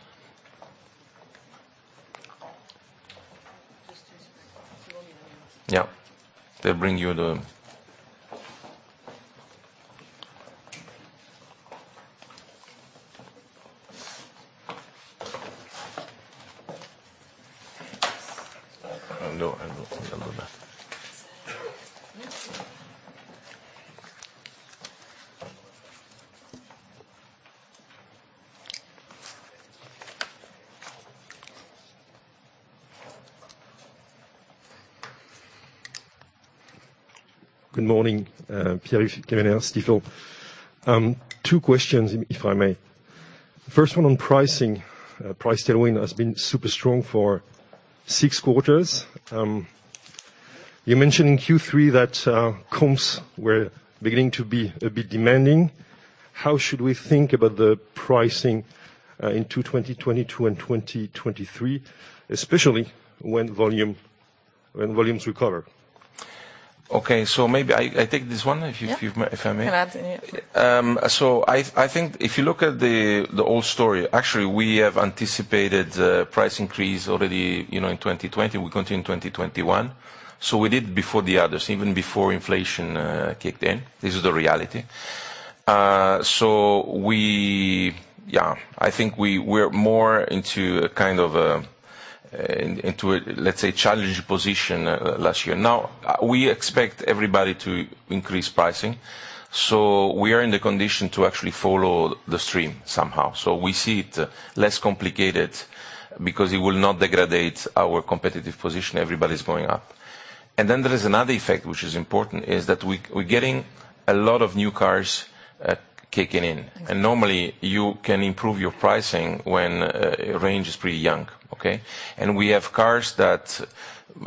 Just two seconds. Yeah. Hello. Hello there. Good morning, Pierre. Yeah. Two questions, if I may. First one on pricing. Price tailwind has been super strong for six quarters. You mentioned in Q3 that comps were beginning to be a bit demanding. How should we think about the pricing into 2022 and 2023, especially when volumes recover? Okay. Maybe I take this one if you- Yeah. If I may. Can add, yeah. I think if you look at the old story, actually we have anticipated price increase already, you know, in 2020. We continue in 2021. We did before the others, even before inflation kicked in. This is the reality. Yeah. I think we're more into a kind of, into a, let's say, challenged position last year. Now, we expect everybody to increase pricing, so we are in the condition to actually follow the stream somehow. We see it less complicated because it will not degrade our competitive position. Everybody's going up. Then there is another effect which is important, is that we're getting a lot of new cars kicking in. Okay. Normally, you can improve your pricing when a range is pretty young. Okay? We have cars that,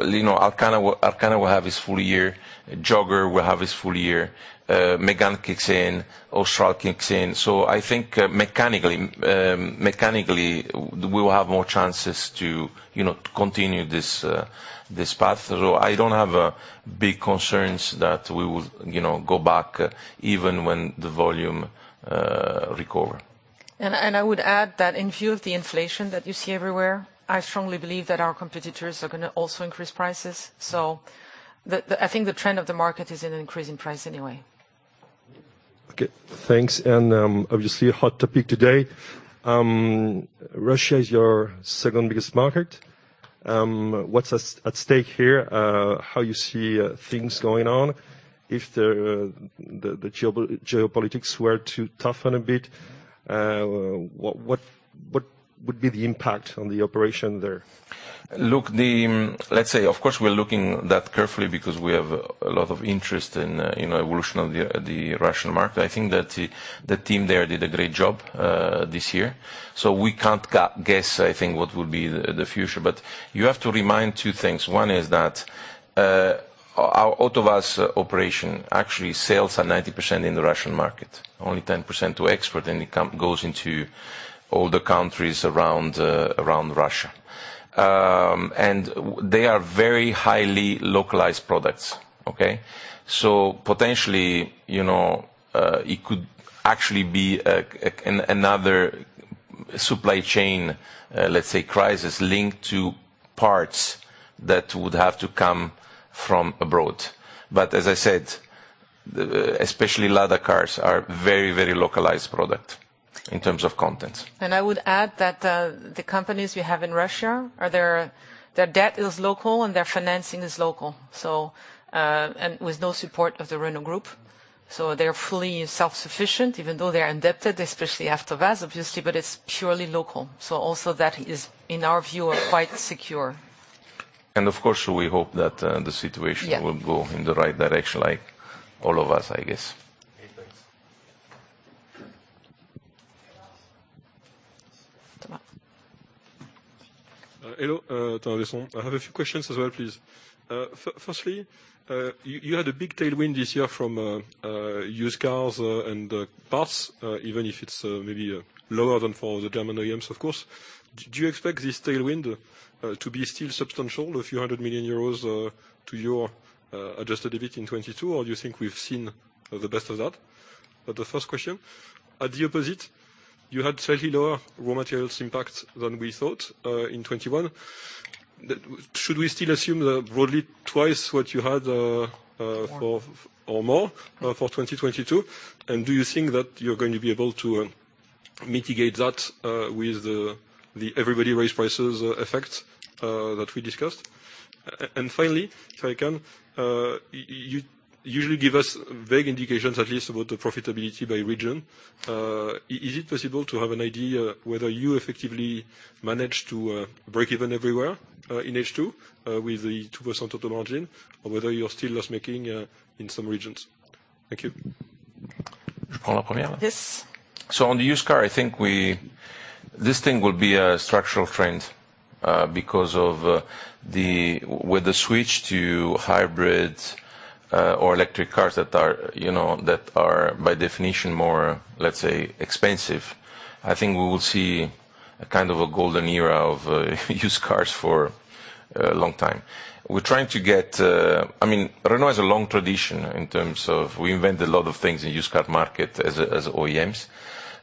you know, Arkana will have its full year. Jogger will have its full year. Mégane kicks in. Austral kicks in. I think mechanically we will have more chances to, you know, to continue this path. I don't have big concerns that we will, you know, go back even when the volume recover. I would add that in view of the inflation that you see everywhere, I strongly believe that our competitors are gonna also increase prices. I think the trend of the market is in increasing price anyway. Okay. Thanks. Obviously a hot topic today. Russia is your second biggest market. What's at stake here? How you see things going on? If the geopolitics were to toughen a bit, what would be the impact on the operation there? Look. Let's say, of course, we're looking at that carefully because we have a lot of interest in evolution of the Russian market. I think that the team there did a great job this year. We can't guess, I think, what will be the future. You have to remember two things. One is that our AvtoVAZ operation, actually sales are 90% in the Russian market, only 10% to export, and it goes into all the countries around Russia. They are very highly localized products. Potentially, you know, it could actually be another supply chain, let's say crisis linked to parts that would have to come from abroad. As I said, especially LADA cars are very localized product in terms of content. I would add that the companies we have in Russia, their debt is local and their financing is local, with no support of the Renault Group. They are fully self-sufficient, even though they are indebted, especially AvtoVAZ, obviously, but it's purely local. Also that is, in our view, are quite secure. Of course, we hope that the situation. Yeah. will go in the right direction, like all of us, I guess. Okay, thanks. Thomas. Hello, Thomas Besson. I have a few questions as well, please. Firstly, you had a big tailwind this year from used cars and parts, even if it's maybe lower than for the German OEMs, of course. Do you expect this tailwind to be still substantial, a few hundred million EUR, to your adjusted EBIT in 2022? Or do you think we've seen the best of that? That's the first question. At the opposite, you had slightly lower raw materials impact than we thought in 2021. Should we still assume the broadly twice what you had? More. 4% or more for 2022? Do you think that you're going to be able to mitigate that with the everybody raise prices effect that we discussed? Finally, if I can, you usually give us vague indications, at least about the profitability by region. Is it possible to have an idea whether you effectively managed to break even everywhere in H2 with the 2% of the margin, or whether you're still loss-making in some regions? Thank you. Yes. This will be a structural trend because of the switch to hybrids or electric cars that are, you know, by definition more, let's say, expensive. I think we will see a kind of a golden era of used cars for a long time. We're trying to get. I mean, Renault has a long tradition in terms of we invent a lot of things in used car market as OEMs,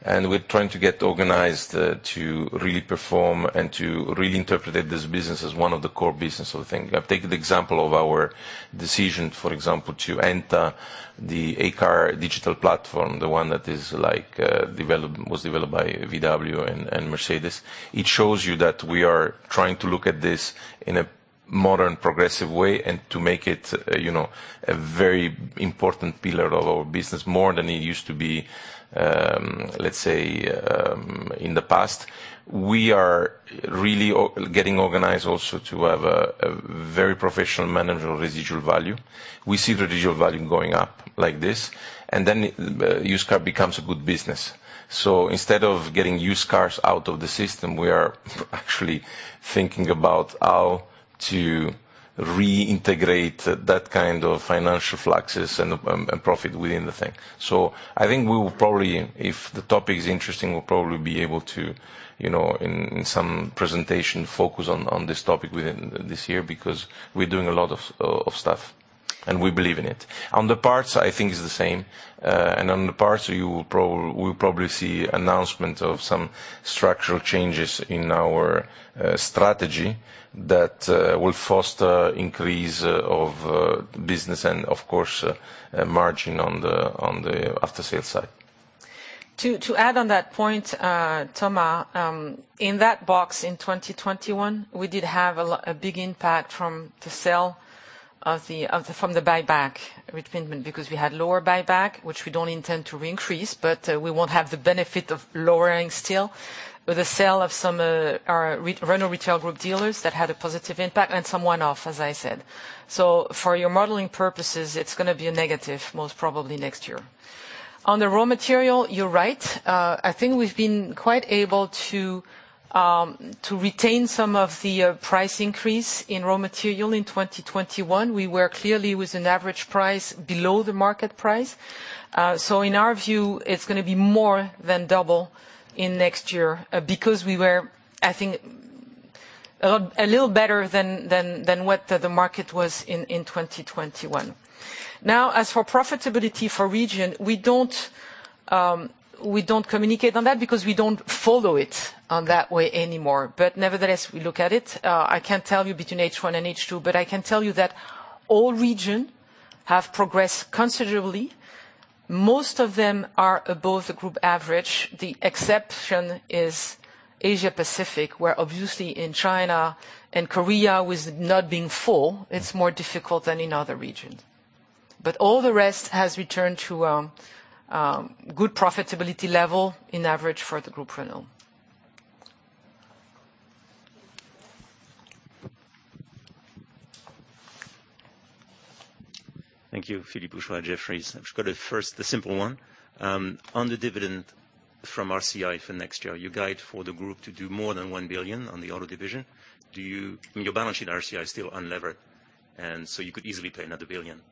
and we're trying to get organized to really perform and to really interpret this business as one of the core business of the thing. I've taken the example of our decision, for example, to enter the heycar digital platform, the one that is like developed, was developed by VW and Mercedes. It shows you that we are trying to look at this in a modern, progressive way and to make it, you know, a very important pillar of our business more than it used to be, let's say, in the past. We are really getting organized also to have a very professional manager of residual value. We see the residual value going up like this, and then, used car becomes a good business. Instead of getting used cars out of the system, we are actually thinking about how to reintegrate that kind of financial fluxes and profit within the thing. I think we will probably, if the topic is interesting, we'll probably be able to, you know, in some presentation focus on this topic within this year because we're doing a lot of stuff, and we believe in it. On the parts, I think it's the same. On the parts, we'll probably see announcement of some structural changes in our strategy that will foster increase of business and of course, margin on the after-sale side. To add on that point, Thomas, in that box in 2021, we did have a big impact from the sale of the from the buyback refinement because we had lower buyback, which we don't intend to increase, but we won't have the benefit of lowering still. With the sale of some our Renault Retail Group dealers that had a positive impact and some one-off, as I said. For your modeling purposes, it's gonna be a negative, most probably next year. On the raw material, you're right. I think we've been quite able to retain some of the price increase in raw material in 2021. We were clearly with an average price below the market price. In our view, it's gonna be more than double next year because we were, I think, a little better than what the market was in 2021. As for profitability for region, we don't communicate on that because we don't follow it on that way anymore. Nevertheless, we look at it. I can't tell you between H1 and H2, but I can tell you that all region have progressed considerably. Most of them are above the group average. The exception is Asia-Pacific, where obviously in China and Korea, with not being full, it's more difficult than in other regions. All the rest has returned to good profitability level in average for the Renault Group. Thank you. Philippe Houchois, Jefferies. I've got a first, a simple one. On the dividend from RCI for next year, you guide for the group to do more than €1 billion on the auto division. In your balance sheet, RCI is still unlevered. You could easily pay another €1 billion.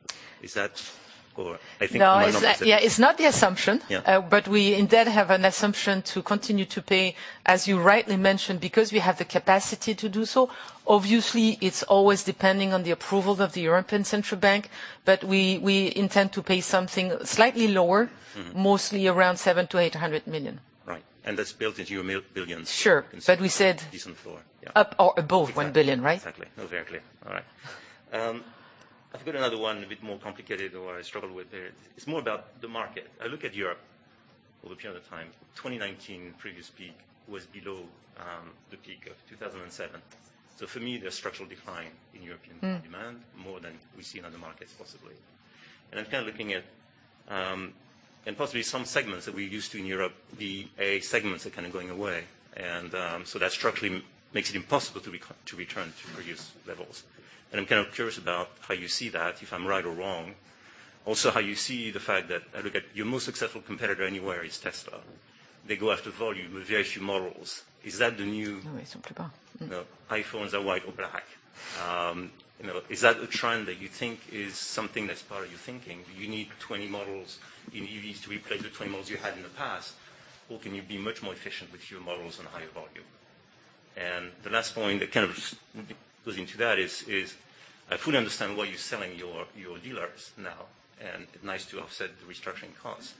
Is that or I think my numbers are- No, it's, yeah, it's not the assumption. Yeah. We indeed have an assumption to continue to pay, as you rightly mentioned, because we have the capacity to do so. Obviously, it's always depending on the approval of the European Central Bank, but we intend to pay something slightly lower. Mm-hmm. Mostly around 700 million-800 million. Right. That's built into your Sure. We said. Decent for, yeah. Up or above 1 billion, right? Exactly. No, very clear. All right. I've got another one a bit more complicated or I struggle with it. It's more about the market. I look at Europe over a period of time, 2019 previous peak was below the peak of 2007. For me, there's structural decline in European demand. Mm. More than we see in other markets, possibly. I'm kind of looking at and possibly some segments that we're used to in Europe, the A segments are kind of going away. That structurally makes it impossible to return to previous levels. I'm kind of curious about how you see that, if I'm right or wrong. Also, how you see the fact that I look at your most successful competitor anywhere is Tesla. They go after volume with very few models. Is that the new No, it's not possible. No. iPhones are white or black. You know, is that a trend that you think is something that's part of your thinking? Do you need 20 models, you know, you need to replace the 20 models you had in the past, or can you be much more efficient with fewer models and higher volume? The last point that kind of goes into that is, I fully understand what you're selling to your dealers now, and it's to offset the restructuring costs.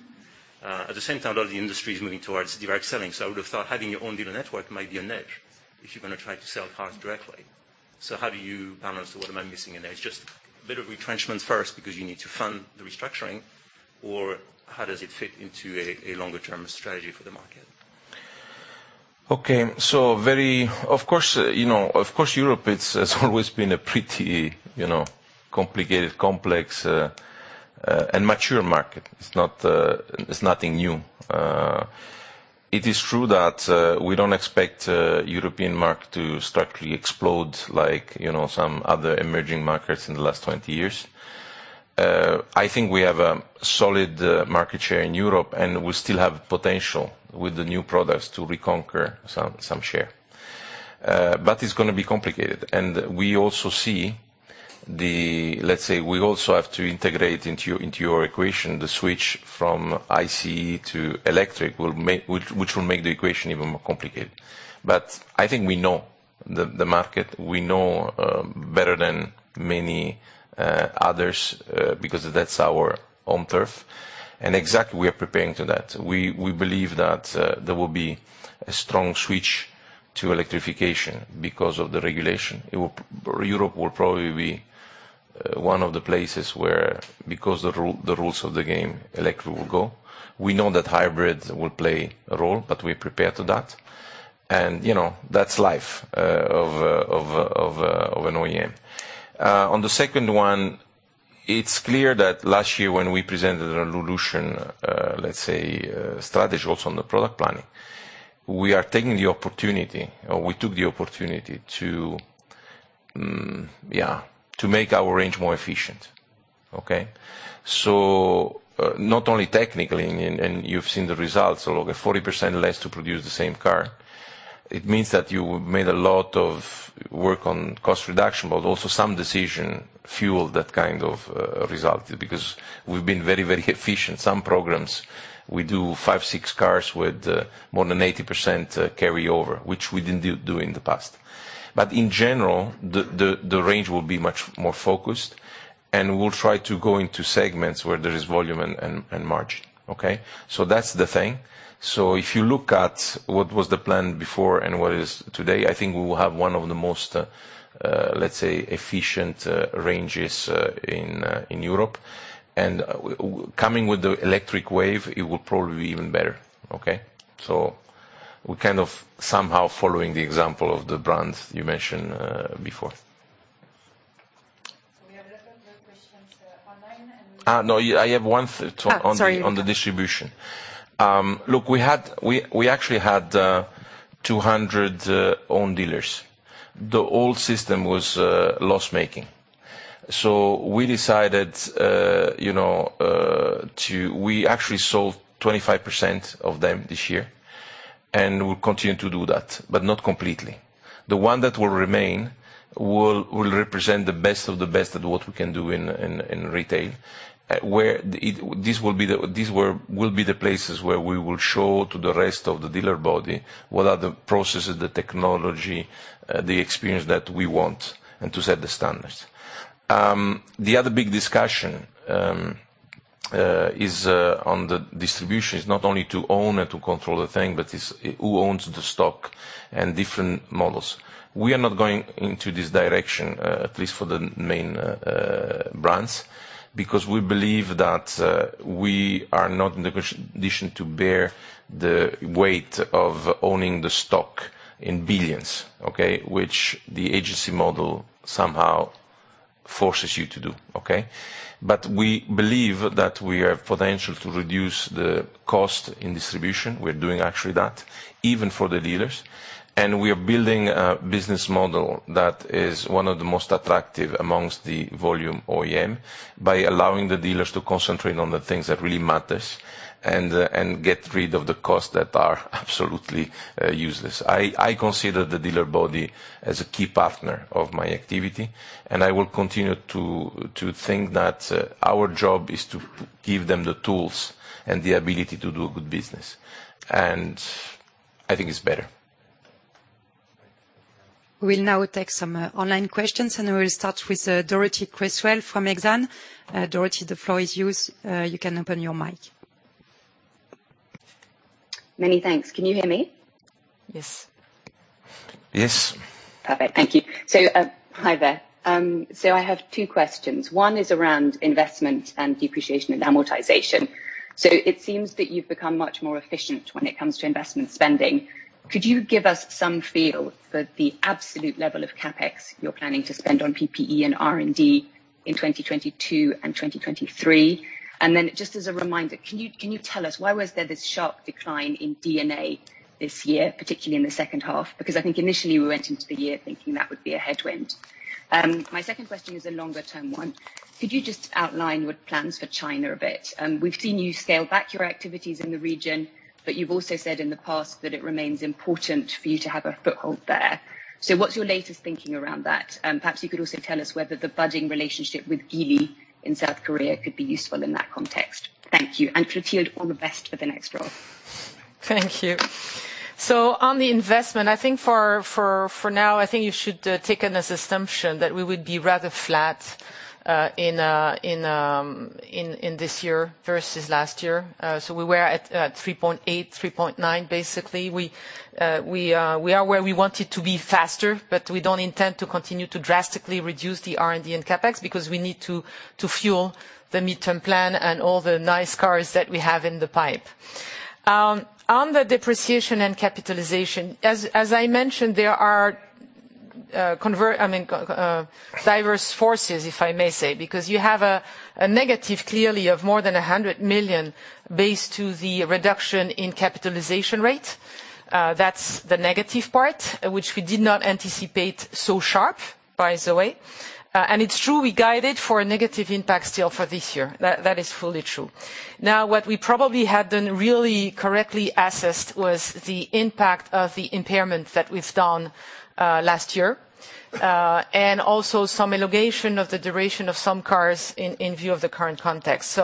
At the same time, a lot of the industry is moving towards direct selling. I would have thought having your own dealer network might be a niche if you're going to try to sell cars directly. How do you balance, or what am I missing in there? It's just a bit of retrenchment first because you need to fund the restructuring or how does it fit into a longer-term strategy for the market? Of course, you know, of course, Europe has always been a pretty, you know, complicated, complex, and mature market. It's not, it's nothing new. It is true that we don't expect European market to structurally explode like, you know, some other emerging markets in the last 20 years. I think we have a solid market share in Europe, and we still have potential with the new products to reconquer some share. It's gonna be complicated. We also see the. Let's say, we also have to integrate into your equation the switch from ICE to electric, which will make the equation even more complicated. I think we know the market. We know better than many others because that's our own turf. Exactly, we are preparing to that. We believe that there will be a strong switch to electrification because of the regulation. Europe will probably be one of the places where, because the rules of the game, electric will go. We know that hybrids will play a role, but we're prepared to that. You know, that's life of an OEM. On the second one, it's clear that last year when we presented a solution, let's say, strategics on the product planning, we are taking the opportunity, or we took the opportunity to make our range more efficient. Okay? Not only technically, and you've seen the results, so look at 40% less to produce the same car. It means that you made a lot of work on cost reduction, but also some decision fueled that kind of result because we've been very, very efficient. Some programs, we do five, six cars with more than 80% carryover, which we didn't do in the past. In general, the range will be much more focused, and we'll try to go into segments where there is volume and margin. Okay. That's the thing. If you look at what was the plan before and what it is today, I think we will have one of the most, let's say, efficient ranges in Europe. Coming with the electric wave, it will probably be even better. Okay. We're kind of somehow following the example of the brands you mentioned before. We have a lot of good questions online, and No, I have one to- Oh, sorry. On the distribution. Look, we actually had 200 own dealers. The old system was loss-making. We decided. We actually sold 25% of them this year, and we'll continue to do that, but not completely. The one that will remain will represent the best of the best at what we can do in retail. These will be the places where we will show to the rest of the dealer body what are the processes, the technology, the experience that we want and to set the standards. The other big discussion is on the distribution. It's not only to own and to control the thing, but it's who owns the stock and different models. We are not going into this direction, at least for the main brands, because we believe that we are not in the condition to bear the weight of owning the stock in billions, okay, which the agency model somehow forces you to do. Okay? We believe that we have potential to reduce the cost in distribution. We're doing actually that, even for the dealers. We are building a business model that is one of the most attractive amongst the volume OEM by allowing the dealers to concentrate on the things that really matters and get rid of the costs that are absolutely useless. I consider the dealer body as a key partner of my activity, and I will continue to think that our job is to give them the tools and the ability to do good business. I think it's better. We'll now take some online questions, and we'll start with Dorothee Cresswell from Exane. Dorothee, the floor is yours. You can open your mic. Many thanks. Can you hear me? Yes. Yes. Perfect. Thank you. Hi there. I have two questions. One is around investment and depreciation and amortization. It seems that you've become much more efficient when it comes to investment spending. Could you give us some feel for the absolute level of CapEx you're planning to spend on PPE and R&D in 2022 and 2023? And then just as a reminder, can you tell us why was there this sharp decline in D&A this year, particularly in the second half? Because I think initially we went into the year thinking that would be a headwind. My second question is a longer-term one. Could you just outline your plans for China a bit? We've seen you scale back your activities in the region, but you've also said in the past that it remains important for you to have a foothold there. What's your latest thinking around that? Perhaps you could also tell us whether the budding relationship with Geely in South Korea could be useful in that context. Thank you. Clotilde, all the best for the next role. Thank you. On the investment, I think for now, I think you should take it as assumption that we would be rather flat in this year versus last year. We were at 3.8, 3.9, basically. We are where we wanted to be faster, but we don't intend to continue to drastically reduce the R&D and CapEx because we need to fuel the midterm plan and all the nice cars that we have in the pipe. On the depreciation and capitalization, as I mentioned, there are diverse forces, if I may say, because you have a negative clearly of more than 100 million due to the reduction in capitalization rate. That's the negative part, which we did not anticipate so sharp, by the way. It's true we guided for a negative impact still for this year. That is fully true. Now, what we probably hadn't really correctly assessed was the impact of the impairment that we've done last year, and also some elongation of the duration of some cars in view of the current context.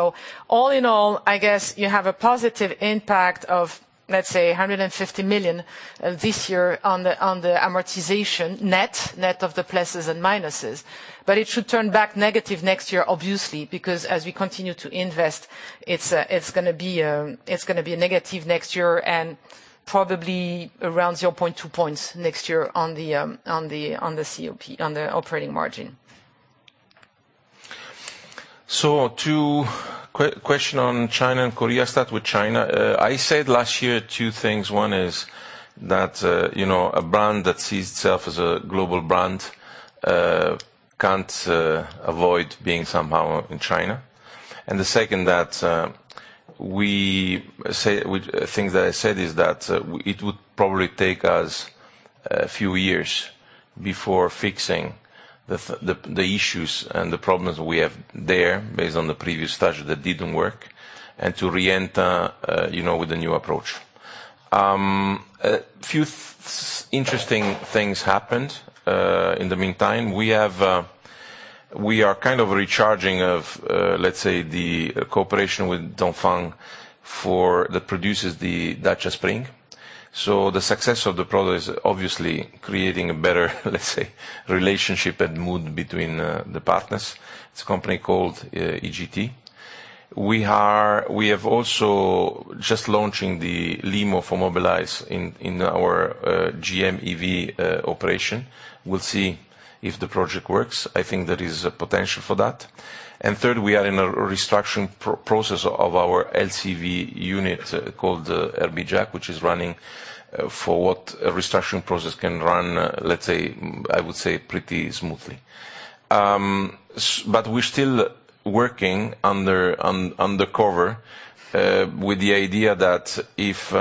All in all, I guess you have a positive impact of, let's say, 150 million this year on the amortization net of the pluses and minuses. It should turn back negative next year, obviously, because as we continue to invest, it's gonna be a negative next year and probably around 0.2 points next year on the COP on the operating margin. Two questions on China and Korea. Start with China. I said last year two things. One is that, you know, a brand that sees itself as a global brand, can't avoid being somehow in China. The second thing that I said is that it would probably take us a few years before fixing the issues and the problems we have there based on the previous strategy that didn't work and to re-enter, you know, with a new approach. A few interesting things happened. In the meantime, we are kind of recharging, let's say, the cooperation with Dongfeng that produces the Dacia Spring. The success of the product is obviously creating a better, let's say, relationship and mood between the partners. It's a company called eGT. We have also just launching the Mobilize Limo in our JMEV operation. We'll see if the project works. I think there is a potential for that. Third, we are in a restructuring process of our LCV unit called Renault Brilliance Jinbei, which is running for what a restructuring process can run, let's say, I would say pretty smoothly. But we're still working undercover with the idea that if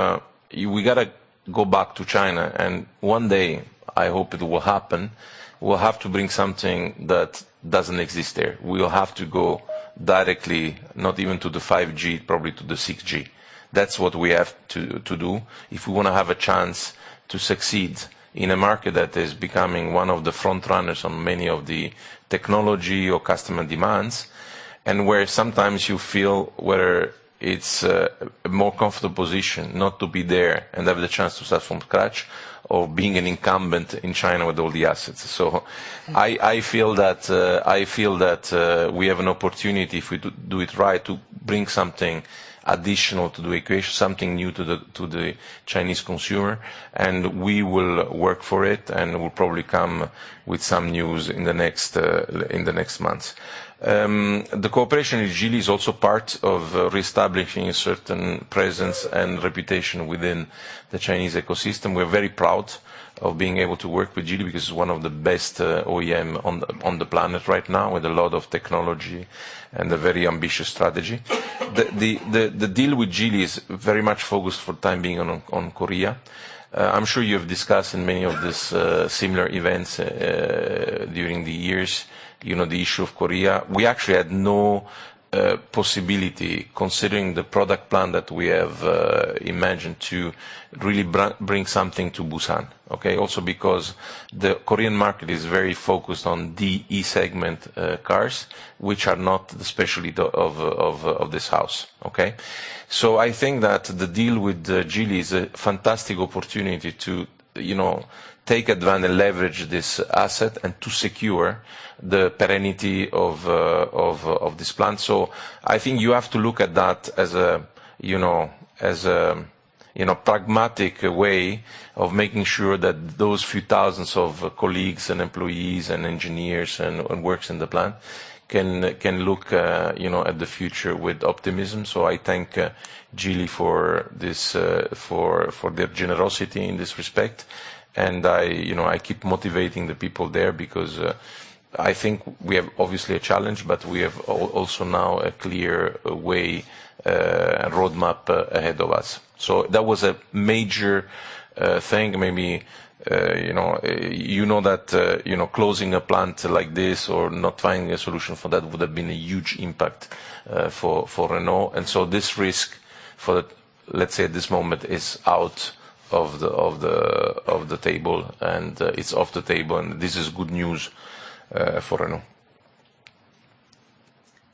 we gotta go back to China, and one day, I hope it will happen, we'll have to bring something that doesn't exist there. We will have to go directly, not even to the 5G, probably to the 6G. That's what we have to do if we wanna have a chance to succeed in a market that is becoming one of the front runners on many of the technology or customer demands, and where sometimes you feel whether it's a more comfortable position not to be there and have the chance to start from scratch or being an incumbent in China with all the assets. I feel that we have an opportunity, if we do it right, to bring something additional to the equation, something new to the Chinese consumer, and we will work for it, and we'll probably come with some news in the next months. The cooperation with Geely is also part of reestablishing a certain presence and reputation within the Chinese ecosystem. We're very proud of being able to work with Geely because it's one of the best OEM on the planet right now with a lot of technology and a very ambitious strategy. The deal with Geely is very much focused for the time being on Korea. I'm sure you have discussed in many of these similar events during the years, you know, the issue of Korea. We actually had no possibility, considering the product plan that we have, imagined to really bring something to Busan, okay. Also because the Korean market is very focused on D-E segment cars, which are not the specialty of this house, okay. I think that the deal with Geely is a fantastic opportunity to, you know, leverage this asset and to secure the entity of this plant. I think you have to look at that as a, you know, pragmatic way of making sure that those few thousands of colleagues and employees and engineers and workers in the plant can look, you know, at the future with optimism. I thank Geely for this, for their generosity in this respect. I, you know, keep motivating the people there because I think we have obviously a challenge, but we have also now a clear roadmap ahead of us. That was a major thing. Maybe, you know that closing a plant like this or not finding a solution for that would have been a huge impact for Renault. This risk, let's say, at this moment, is off the table, and it's off the table, and this is good news for Renault.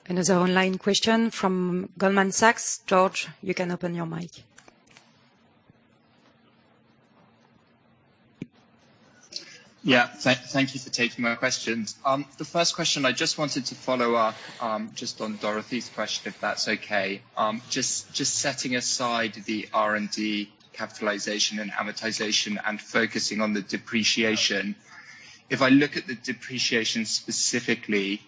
Another online question from Goldman Sachs. George, you can open your mic. Yeah. Thank you for taking my questions. The first question, I just wanted to follow up, just on Dorothee's question, if that's okay. Just setting aside the R&D capitalization and amortization and focusing on the depreciation, if I look at the depreciation specifically,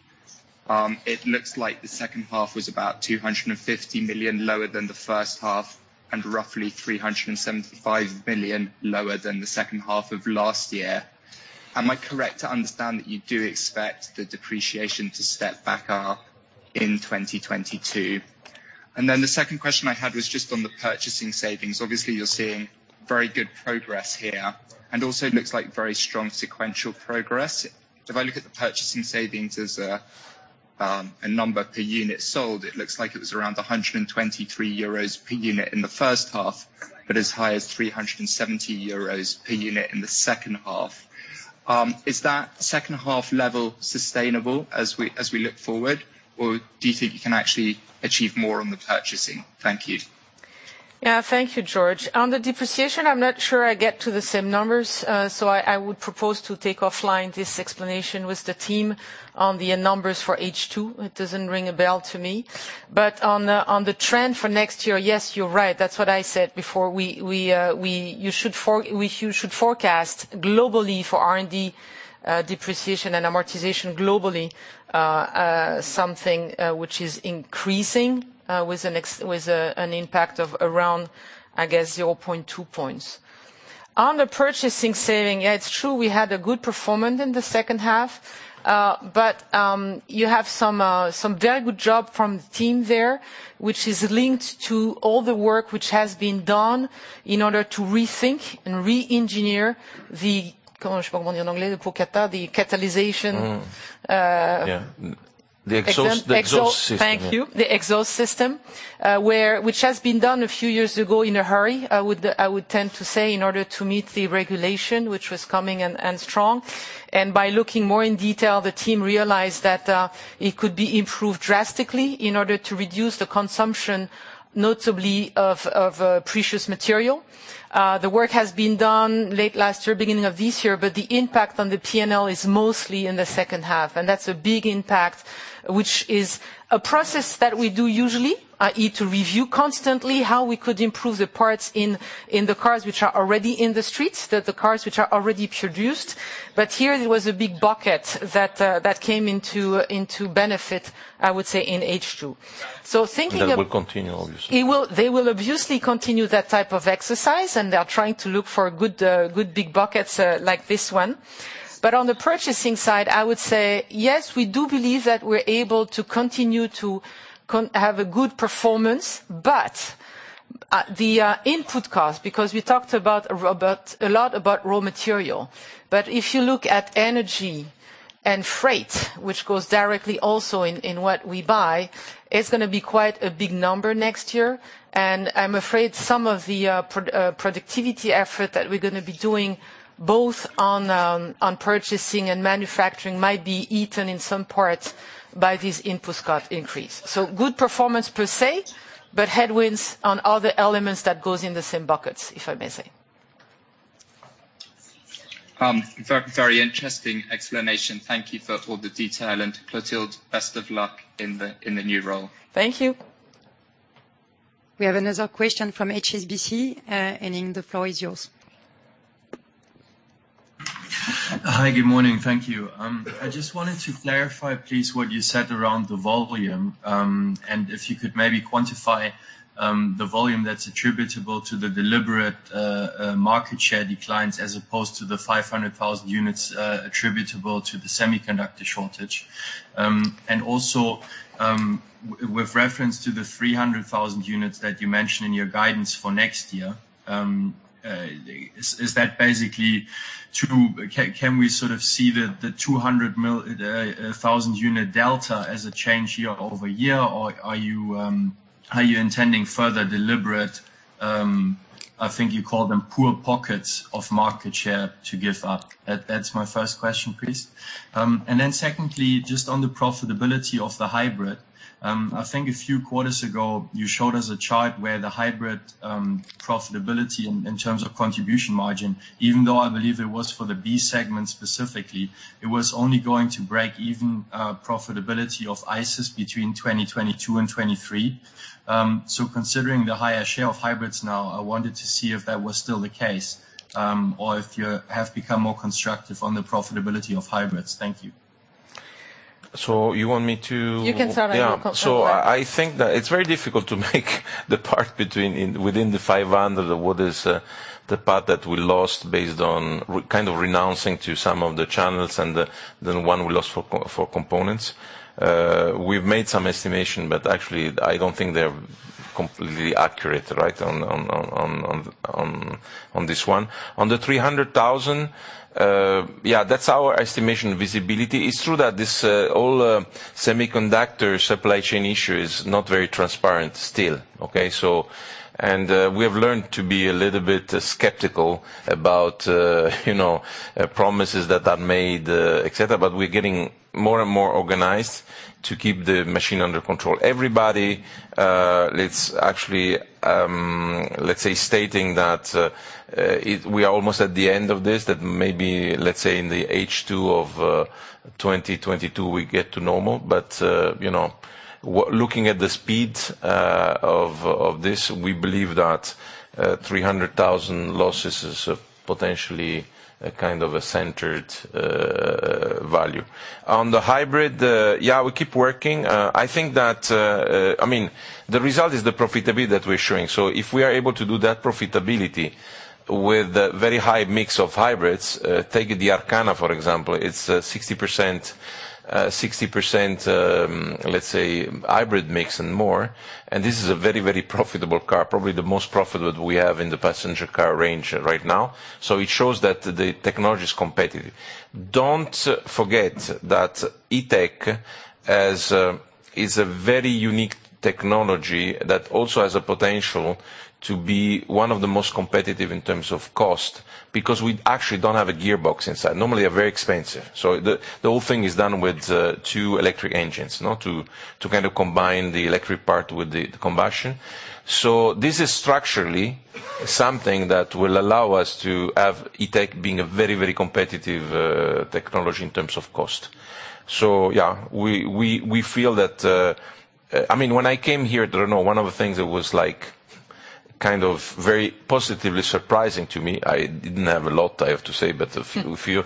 it looks like the second half was about 250 million lower than the first half and roughly 375 million lower than the second half of last year. Am I correct to understand that you do expect the depreciation to step back up in 2022? The second question I had was just on the purchasing savings. Obviously, you're seeing very good progress here, and also it looks like very strong sequential progress. If I look at the purchasing savings as a number per unit sold, it looks like it was around 123 euros per unit in the first half, but as high as 370 euros per unit in the second half. Is that second half level sustainable as we look forward, or do you think you can actually achieve more on the purchasing? Thank you. Yeah. Thank you, George. On the depreciation, I'm not sure I get to the same numbers, so I would propose to take offline this explanation with the team on the numbers for H2. It doesn't ring a bell to me. On the trend for next year, yes, you're right. That's what I said before. You should forecast globally for R&D, depreciation and amortization globally, something which is increasing with an impact of around, I guess, 0.2 points. On the purchasing saving, it's true we had a good performance in the second half, but you have some very good job from the team there, which is linked to all the work which has been done in order to rethink and re-engineer the, Mm. Uh- Yeah. Exhaust- The exhaust system. Thank you. The exhaust system, which has been done a few years ago in a hurry, I would tend to say, in order to meet the regulation, which was coming and strong. By looking more in detail, the team realized that it could be improved drastically in order to reduce the consumption, notably of precious material. The work has been done late last year, beginning of this year, but the impact on the P&L is mostly in the second half, and that's a big impact, which is a process that we do usually is to review constantly how we could improve the parts in the cars which are already in the streets, the cars which are already produced. Here there was a big bucket that came into benefit, I would say, in H2. thinking of That will continue, obviously. They will obviously continue that type of exercise, and they are trying to look for good big buckets like this one. But on the purchasing side, I would say, yes, we do believe that we're able to continue to have a good performance, but the input cost, because we talked about a lot about raw material, but if you look at energy and freight, which goes directly also in what we buy, it's gonna be quite a big number next year. I'm afraid some of the productivity effort that we're gonna be doing both on purchasing and manufacturing might be eaten in some parts by this input cost increase. Good performance per se, but headwinds on other elements that goes in the same buckets, if I may say. Very, very interesting explanation. Thank you for all the detail. Clotilde, best of luck in the new role. Thank you. We have another question from HSBC. Henning, the floor is yours. Hi, good morning. Thank you. I just wanted to clarify, please, what you said around the volume. If you could maybe quantify the volume that's attributable to the deliberate market share declines, as opposed to the 500,000 units attributable to the semiconductor shortage. Also, with reference to the 300,000 units that you mentioned in your guidance for next year, can we sort of see the 200,000 unit delta as a change year over year, or are you intending further deliberate, I think you called them poor pockets of market share to give up? That's my first question, please. Secondly, just on the profitability of the hybrid, I think a few quarters ago you showed us a chart where the hybrid profitability in terms of contribution margin, even though I believe it was for the B segment specifically, it was only going to break even, profitability of ICEs between 2022 and 2023. Considering the higher share of hybrids now, I wanted to see if that was still the case, or if you have become more constructive on the profitability of hybrids. Thank you. So you want me to- You can start and Luca can reply. I think that it's very difficult to make the part between within the 500 what is the part that we lost based on kind of renouncing to some of the channels and then the one we lost for components. We've made some estimates, but actually I don't think they're completely accurate, right, on this one. On the 300,000, that's our estimated visibility. It's true that this whole semiconductor supply chain issue is not very transparent still. We have learned to be a little bit skeptical about you know promises that are made et cetera. We're getting more and more organized to keep the machine under control. Everybody it's actually let's say stating that it We are almost at the end of this, that maybe, let's say in the H2 of 2022, we get to normal. You know, looking at the speed of this, we believe that 300,000 losses is potentially a kind of a centered value. On the hybrid, yeah, we keep working. I think that, I mean, the result is the profitability that we're showing. If we are able to do that profitability with a very high mix of hybrids, take the Arkana for example, it's 60%, let's say, hybrid mix and more, and this is a very, very profitable car, probably the most profitable we have in the passenger car range right now. It shows that the technology is competitive. Don't forget that E-TECH is a very unique technology that also has a potential to be one of the most competitive in terms of cost, because we actually don't have a gearbox inside. Normally, they're very expensive. The whole thing is done with two electric engines. Not to kind of combine the electric part with the combustion. This is structurally something that will allow us to have E-TECH being a very, very competitive technology in terms of cost. Yeah, we feel that. I mean, when I came here at Renault, one of the things that was like, kind of very positively surprising to me, I didn't have a lot, I have to say, but a few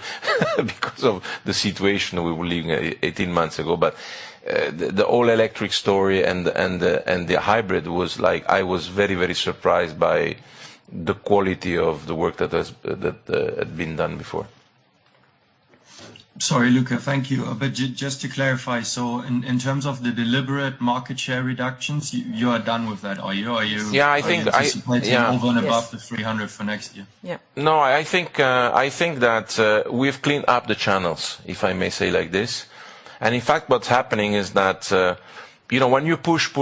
because of the situation we were living eighteen months ago. The all-electric story and the hybrid was like, I was very surprised by the quality of the work that had been done before. Sorry, Luca. Thank you. Just to clarify, so in terms of the deliberate market share reductions, you are done with that, are you? Yeah, I think. Are you anticipating over and above the 300 for next year? Yeah. No, I think that we've cleaned up the channels, if I may say like this. In fact, what's happening is that, you know, when you push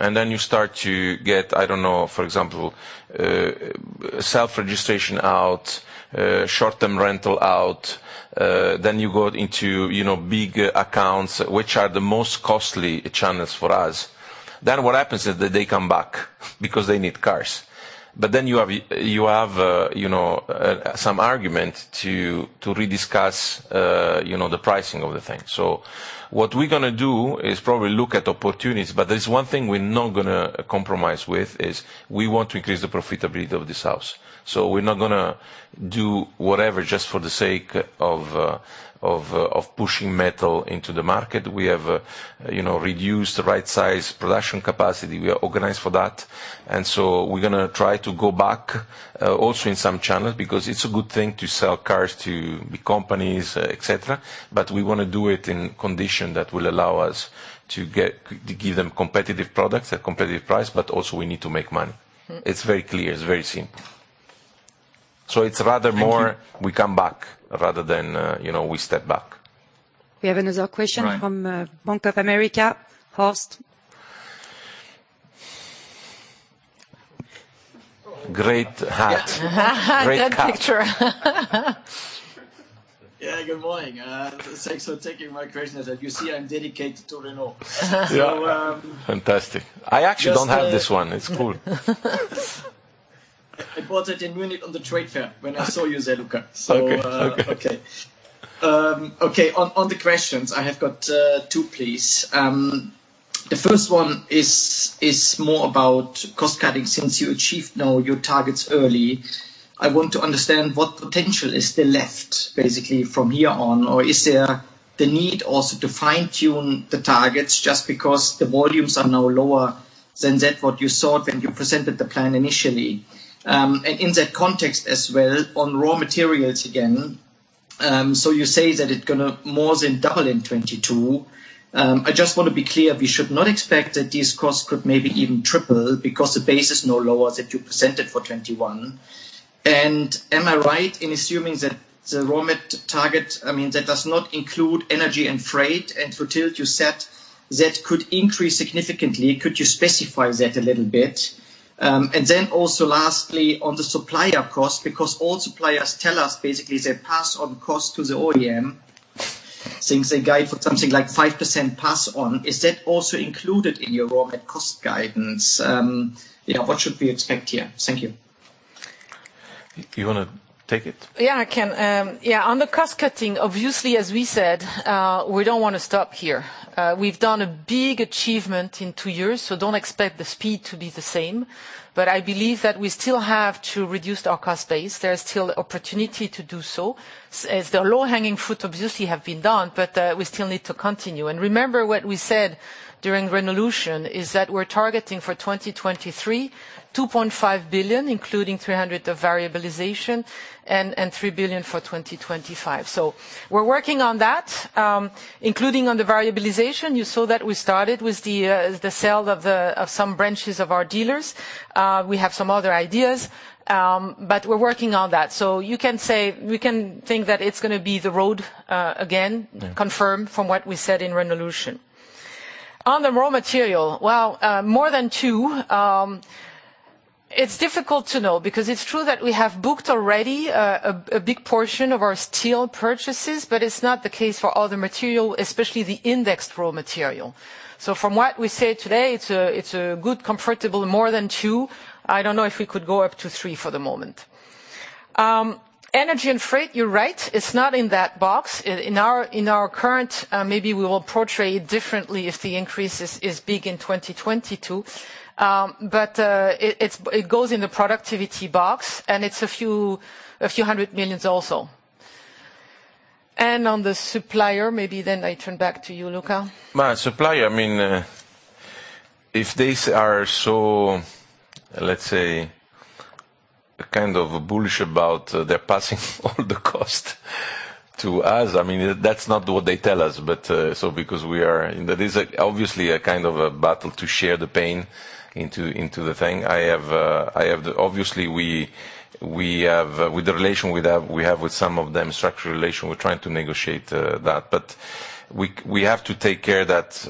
and then you start to get, I don't know, for example, self-registration out, short-term rental out, then you go into, you know, big accounts, which are the most costly channels for us. What happens is that they come back because they need cars. You have, you know, some argument to rediscuss, you know, the pricing of the thing. What we're gonna do is probably look at opportunities, but there's one thing we're not gonna compromise with, is we want to increase the profitability of this house. We're not gonna do whatever just for the sake of pushing metal into the market. We have, you know, reduced the right size production capacity. We are organized for that. We're gonna try to go back also in some channels, because it's a good thing to sell cars to big companies, et cetera, but we wanna do it in condition that will allow us to give them competitive products at competitive price, but also we need to make money. Mm. It's very clear. It's very simple. Thank you. We come back rather than, you know, we step back. We have another question. Right. from Bank of America, Horst. Great hat. Great cap. Good picture. Yeah. Good morning. Thanks for taking my questions. As you see, I'm dedicated to Renault. Yeah. Fantastic. Just I actually don't have this one. It's cool. I bought it in Munich on the trade fair when I saw you there, Luca. Okay. Okay. Okay. On the questions, I have got two, please. The first one is more about cost cutting. Since you achieved now your targets early, I want to understand what potential is still left basically from here on. Or is there the need also to fine-tune the targets just because the volumes are now lower than that what you thought when you presented the plan initially? In that context as well, on raw materials again, so you say that it's gonna more than double in 2022. I just want to be clear, we should not expect that these costs could maybe even triple because the base is now lower than you presented for 2021. Am I right in assuming that the raw mat target, I mean, that does not include energy and freight, and you said that could increase significantly. Could you specify that a little bit? Also lastly, on the supplier cost, because all suppliers tell us basically they pass on cost to the OEM, since they guide for something like 5% pass on. Is that also included in your raw mat cost guidance? You know, what should we expect here? Thank you. You wanna take it? Yeah, I can. Yeah, on the cost cutting, obviously, as we said, we don't wanna stop here. We've done a big achievement in two years, so don't expect the speed to be the same. I believe that we still have to reduce our cost base. There's still opportunity to do so. As the low-hanging fruit obviously have been done, but we still need to continue. Remember what we said during Renaulution is that we're targeting for 2023 2.5 billion, including 300 million of variabilization, and 3 billion for 2025. We're working on that, including on the variabilization. You saw that we started with the sale of some branches of our dealers. We have some other ideas, but we're working on that. You can say... We can think that it's gonna be the road again. Yeah Confirmed from what we said in Renaulution. On the raw material. Well, more than two, it's difficult to know because it's true that we have booked already a big portion of our steel purchases, but it's not the case for all the material, especially the indexed raw material. So from what we say today, it's a good comfortable more than two. I don't know if we could go up to three for the moment. Energy and freight, you're right. It's not in that box. In our current, maybe we will portray it differently if the increase is big in 2022. But it goes in the productivity box, and it's a few hundred million EUR also. On the supplier, maybe then I turn back to you, Luca. My supplier, I mean, if they are so, let's say, kind of bullish about they're passing all the cost to us, I mean, that's not what they tell us, but so because we are. That is, like, obviously a kind of a battle to share the pain into the thing. I have the. Obviously we have, with the relation with that, we have with some of them structural relation, we're trying to negotiate that. We have to take care that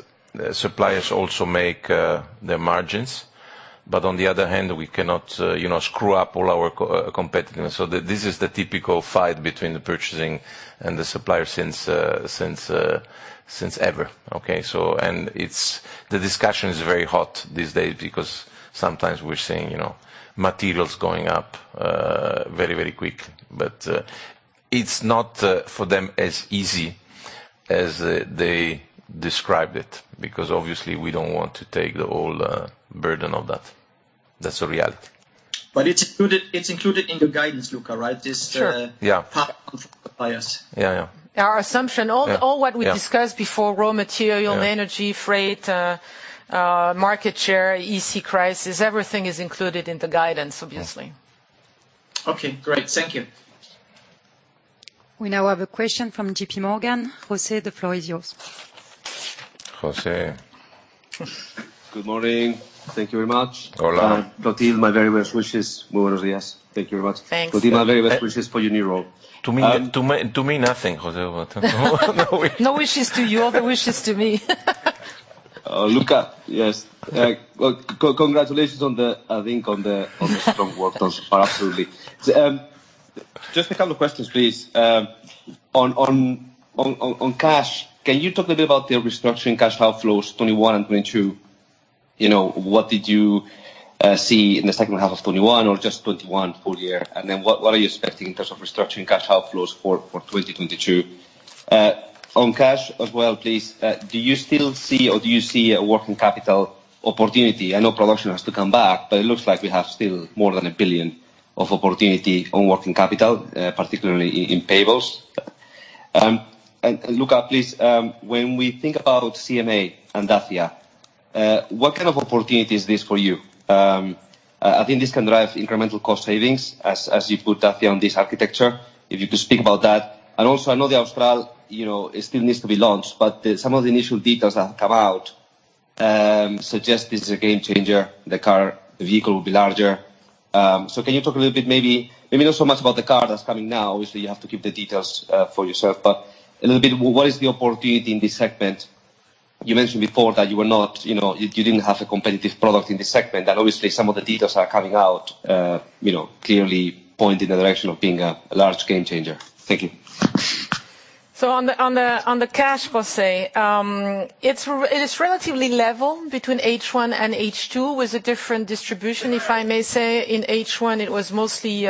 suppliers also make their margins. On the other hand, we cannot, you know, screw up all our competitors. This is the typical fight between the purchasing and the supplier since ever, okay? it's the discussion is very hot these days because sometimes we're seeing, you know, materials going up, very, very quick. It's not for them as easy as they described it, because obviously we don't want to take the whole burden of that. That's a reality. It's included in the guidance, Luca, right? This Sure. Yeah parts from suppliers. Yeah, yeah. Our assumption- Yeah. All what we discussed before, raw material. Yeah. Energy, freight, market share, EC crisis, everything is included in the guidance, obviously. Yeah. Okay, great. Thank you. We now have a question from JPMorgan. Jose, the floor is yours. Jose. Good morning. Thank you very much. Hola. Clotilde, my very best wishes. Thank you very much. Thanks. Clotilde, my very best wishes for your new role. To me, nothing, Jose, but no wish- No wishes to you. All the wishes to me. Luca, yes. Well, congratulations on the strong quarters, I think, absolutely. Just a couple of questions, please. On cash, can you talk a bit about the restructuring cash outflows, 2021 and 2022? You know, what did you see in the second half of 2021 or just 2021 full year? And then what are you expecting in terms of restructuring cash outflows for 2022? On cash as well, please, do you still see or do you see a working capital opportunity? I know production has to come back, but it looks like we have still more than 1 billion of opportunity on working capital, particularly in payables. Luca, please, when we think about CMF-A and Dacia, what kind of opportunity is this for you? I think this can drive incremental cost savings as you put Dacia on this architecture, if you could speak about that. Also, I know the Austral, you know, it still needs to be launched, but some of the initial details that have come out suggest this is a game changer. The car, the vehicle will be larger. So can you talk a little bit, maybe not so much about the car that's coming now. Obviously, you have to keep the details for yourself, but a little bit, what is the opportunity in this segment? You mentioned before that you were not, you know, you didn't have a competitive product in this segment, and obviously some of the details are coming out, you know, clearly point in the direction of being a large game changer. Thank you. On the cash, Jose, it is relatively level between H1 and H2, with a different distribution. If I may say, in H1 it was mostly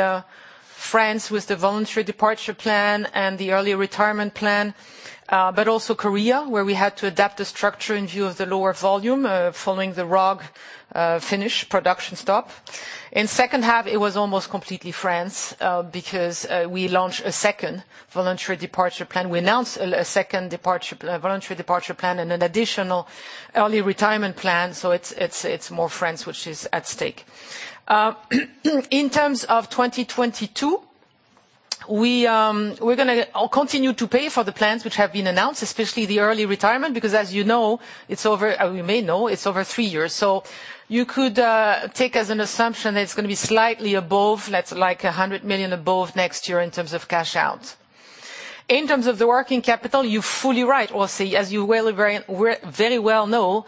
France with the voluntary departure plan and the early retirement plan, but also Korea, where we had to adapt the structure in view of the lower volume following the Rogue's production stop. In the second half, it was almost completely France because we launched a second voluntary departure plan. We announced a second voluntary departure plan and an additional early retirement plan. It's more France which is at stake. In terms of 2022, we're gonna continue to pay for the plans which have been announced, especially the early retirement, because as you know, it's over. You may know, it's over three years. You could take as an assumption that it's gonna be slightly above, let's like 100 million above next year in terms of cash out. In terms of the working capital, you're fully right. As you well know,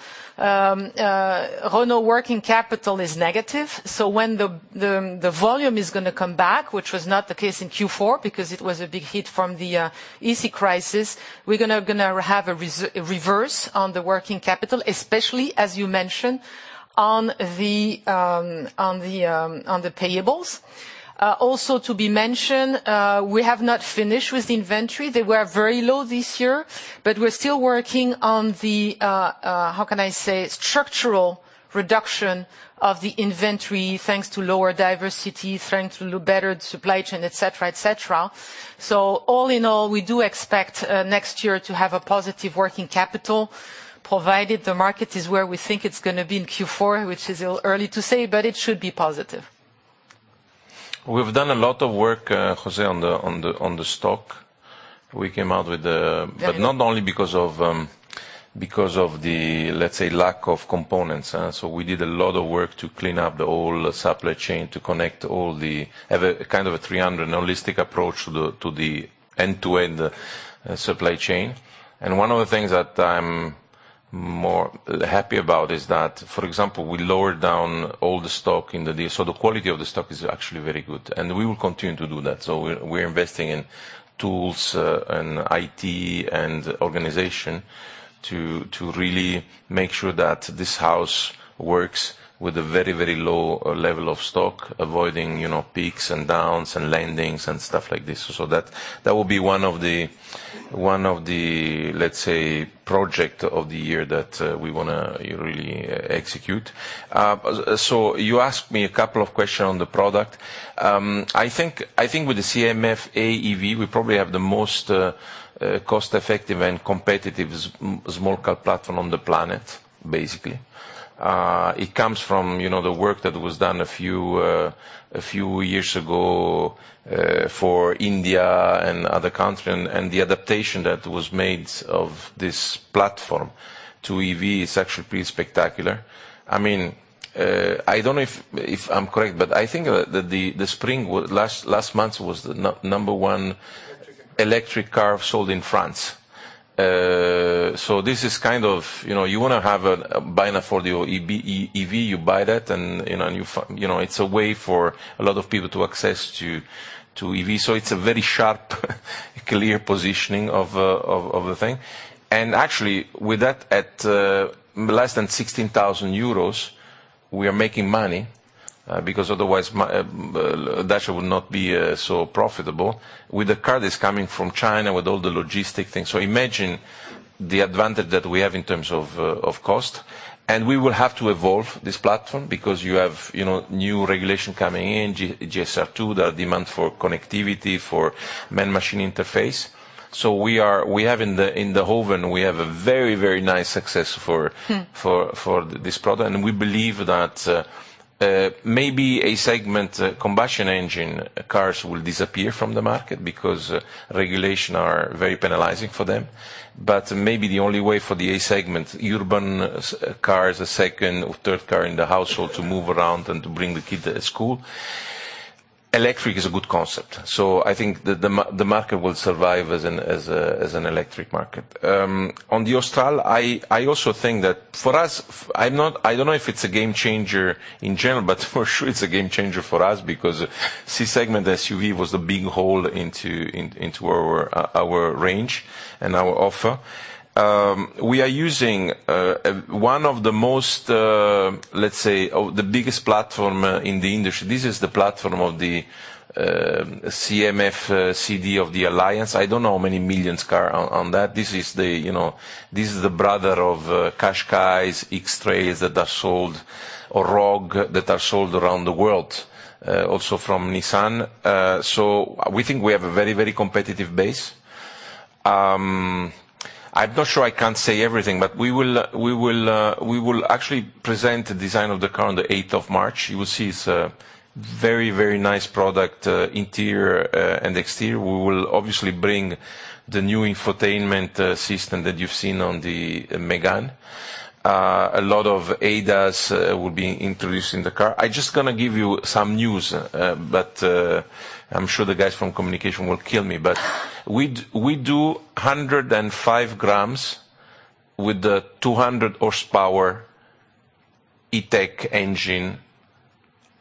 Renault working capital is negative. When the volume is gonna come back, which was not the case in Q4 because it was a big hit from the chip crisis, we're gonna have a reverse on the working capital, especially as you mentioned, on the payables. Also to be mentioned, we have not finished with the inventory. They were very low this year, but we're still working on the how can I say, structural reduction of the inventory thanks to lower diversity, thanks to better supply chain, et cetera, et cetera. All in all, we do expect next year to have a positive working capital, provided the market is where we think it's gonna be in Q4, which is early to say, but it should be positive. We've done a lot of work, José, on the stock. Not only because of the lack of components, we did a lot of work to clean up the whole supply chain, kind of a 360 holistic approach to the end-to-end supply chain. One of the things that I'm more happy about is that, for example, we lowered down all the stock, so the quality of the stock is actually very good, and we will continue to do that. We're investing in tools, and IT, and organization to really make sure that this house works with a very low level of stock, avoiding peaks and downs and landings and stuff like this. that will be one of the, let's say, project of the year that we wanna really execute. you asked me a couple of question on the product. I think with the CMF-A EV, we probably have the most cost-effective and competitive small car platform on the planet, basically. It comes from, you know, the work that was done a few years ago for India and other country, and the adaptation that was made of this platform to EV is actually pretty spectacular. I mean, I don't know if I'm correct, but I think the Spring was last month the number one electric car sold in France. This is kind of, you know, you wanna have a buyer for the OEB EE-EV, you buy that and, you know, it's a way for a lot of people to access to EV. It's a very sharp, clear positioning of the thing. Actually, with that at less than 16,000 euros, we are making money, because otherwise my Dacia would not be so profitable with the car that's coming from China, with all the logistics. Imagine the advantage that we have in terms of cost. We will have to evolve this platform because you have, you know, new regulation coming in, GSR2, the demand for connectivity, for man-machine interface. We have in the oven a very nice success for- Hmm For this product. We believe that maybe A-segment combustion engine cars will disappear from the market because regulations are very penalizing for them. Maybe the only way for the A-segment urban cars, a second or third car in the household to move around and to bring the kid to school, electric is a good concept. I think the market will survive as an electric market. On the Austral, I also think that for us, I'm not... I don't know if it's a game changer in general, but for sure it's a game changer for us because C-segment SUV was a big hole in our range and our offer. We are using one of the most, let's say, of the biggest platform in the industry. This is the platform of the CMF-CD of the Alliance. I don't know how many millions of cars on that. This is, you know, the brother of Qashqai, X-Trail that are sold, or Rogue that are sold around the world, also from Nissan. So we think we have a very competitive base. I'm not sure I can say everything, but we will actually present the design of the car on the eighth of March. You will see it's a very nice product, interior and exterior. We will obviously bring the new infotainment system that you've seen on the Mégane. A lot of ADAS will be introduced in the car. I'm just gonna give you some news, but I'm sure the guys from communication will kill me. We do 105 grams with the 200 horsepower E-TECH engine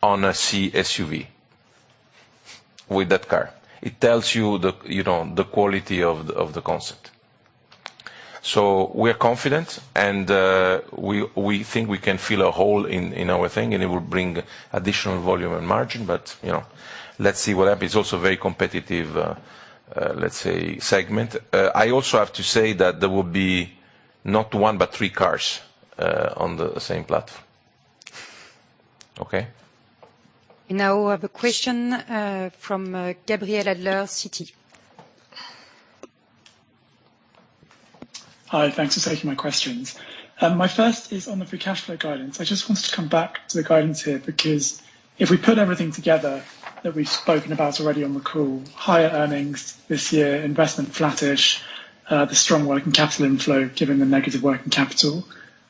on a C-SUV with that car. It tells you know, the quality of the concept. We're confident, and we think we can fill a hole in our thing, and it will bring additional volume and margin. You know, let's see what happens. It's also very competitive, let's say, segment. I also have to say that there will be not one but three cars on the same platform. Okay? Now I have a question from Gabriel Adler, Citi. Hi. Thanks for taking my questions. My first is on the free cash flow guidance. I just wanted to come back to the guidance here because if we put everything together that we've spoken about already on the call, higher earnings this year, investment flattish, the strong working capital inflow, given the negative working capital,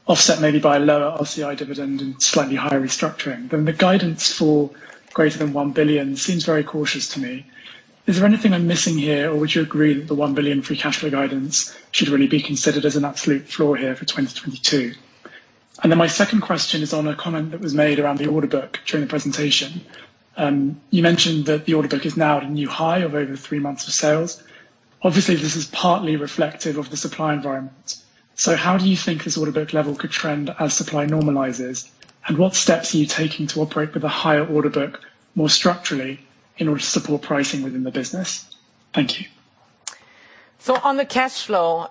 offset maybe by lower RCI dividend and slightly higher restructuring, then the guidance for greater than 1 billion seems very cautious to me. Is there anything I'm missing here, or would you agree that the 1 billion free cash flow guidance should really be considered as an absolute floor here for 2022? My second question is on a comment that was made around the order book during the presentation. You mentioned that the order book is now at a new high of over three months of sales. Obviously, this is partly reflective of the supply environment. How do you think this order book level could trend as supply normalizes, and what steps are you taking to operate with a higher order book more structurally in order to support pricing within the business? Thank you. On the cash flow,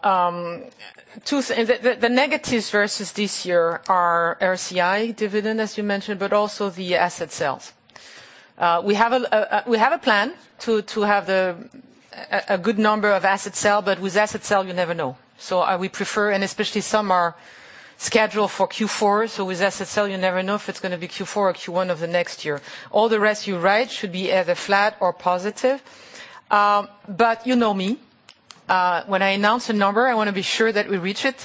two negatives versus this year are RCI dividend, as you mentioned, but also the asset sales. We have a plan to have a good number of asset sales, but with asset sales, you never know. We prefer, and especially some are scheduled for Q4, so with asset sales, you never know if it's gonna be Q4 or Q1 of the next year. All the rest you're right, should be either flat or positive. You know me, when I announce a number, I wanna be sure that we reach it.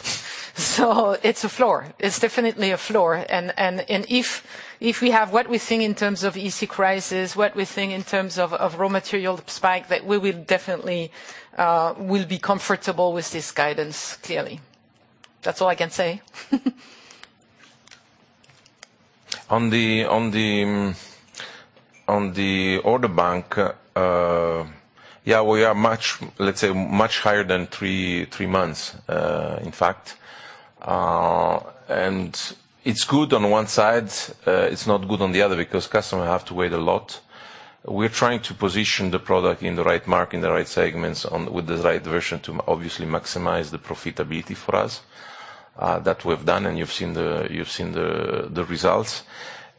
It's a floor. It's definitely a floor. If we have what we think in terms of economic crisis, raw material spike, that we will definitely be comfortable with this guidance, clearly. That's all I can say. On the order bank, we are much higher than three months, in fact. It's good on one side, it's not good on the other because customer have to wait a lot. We're trying to position the product in the right market, in the right segments with the right version to obviously maximize the profitability for us, that we've done, and you've seen the results.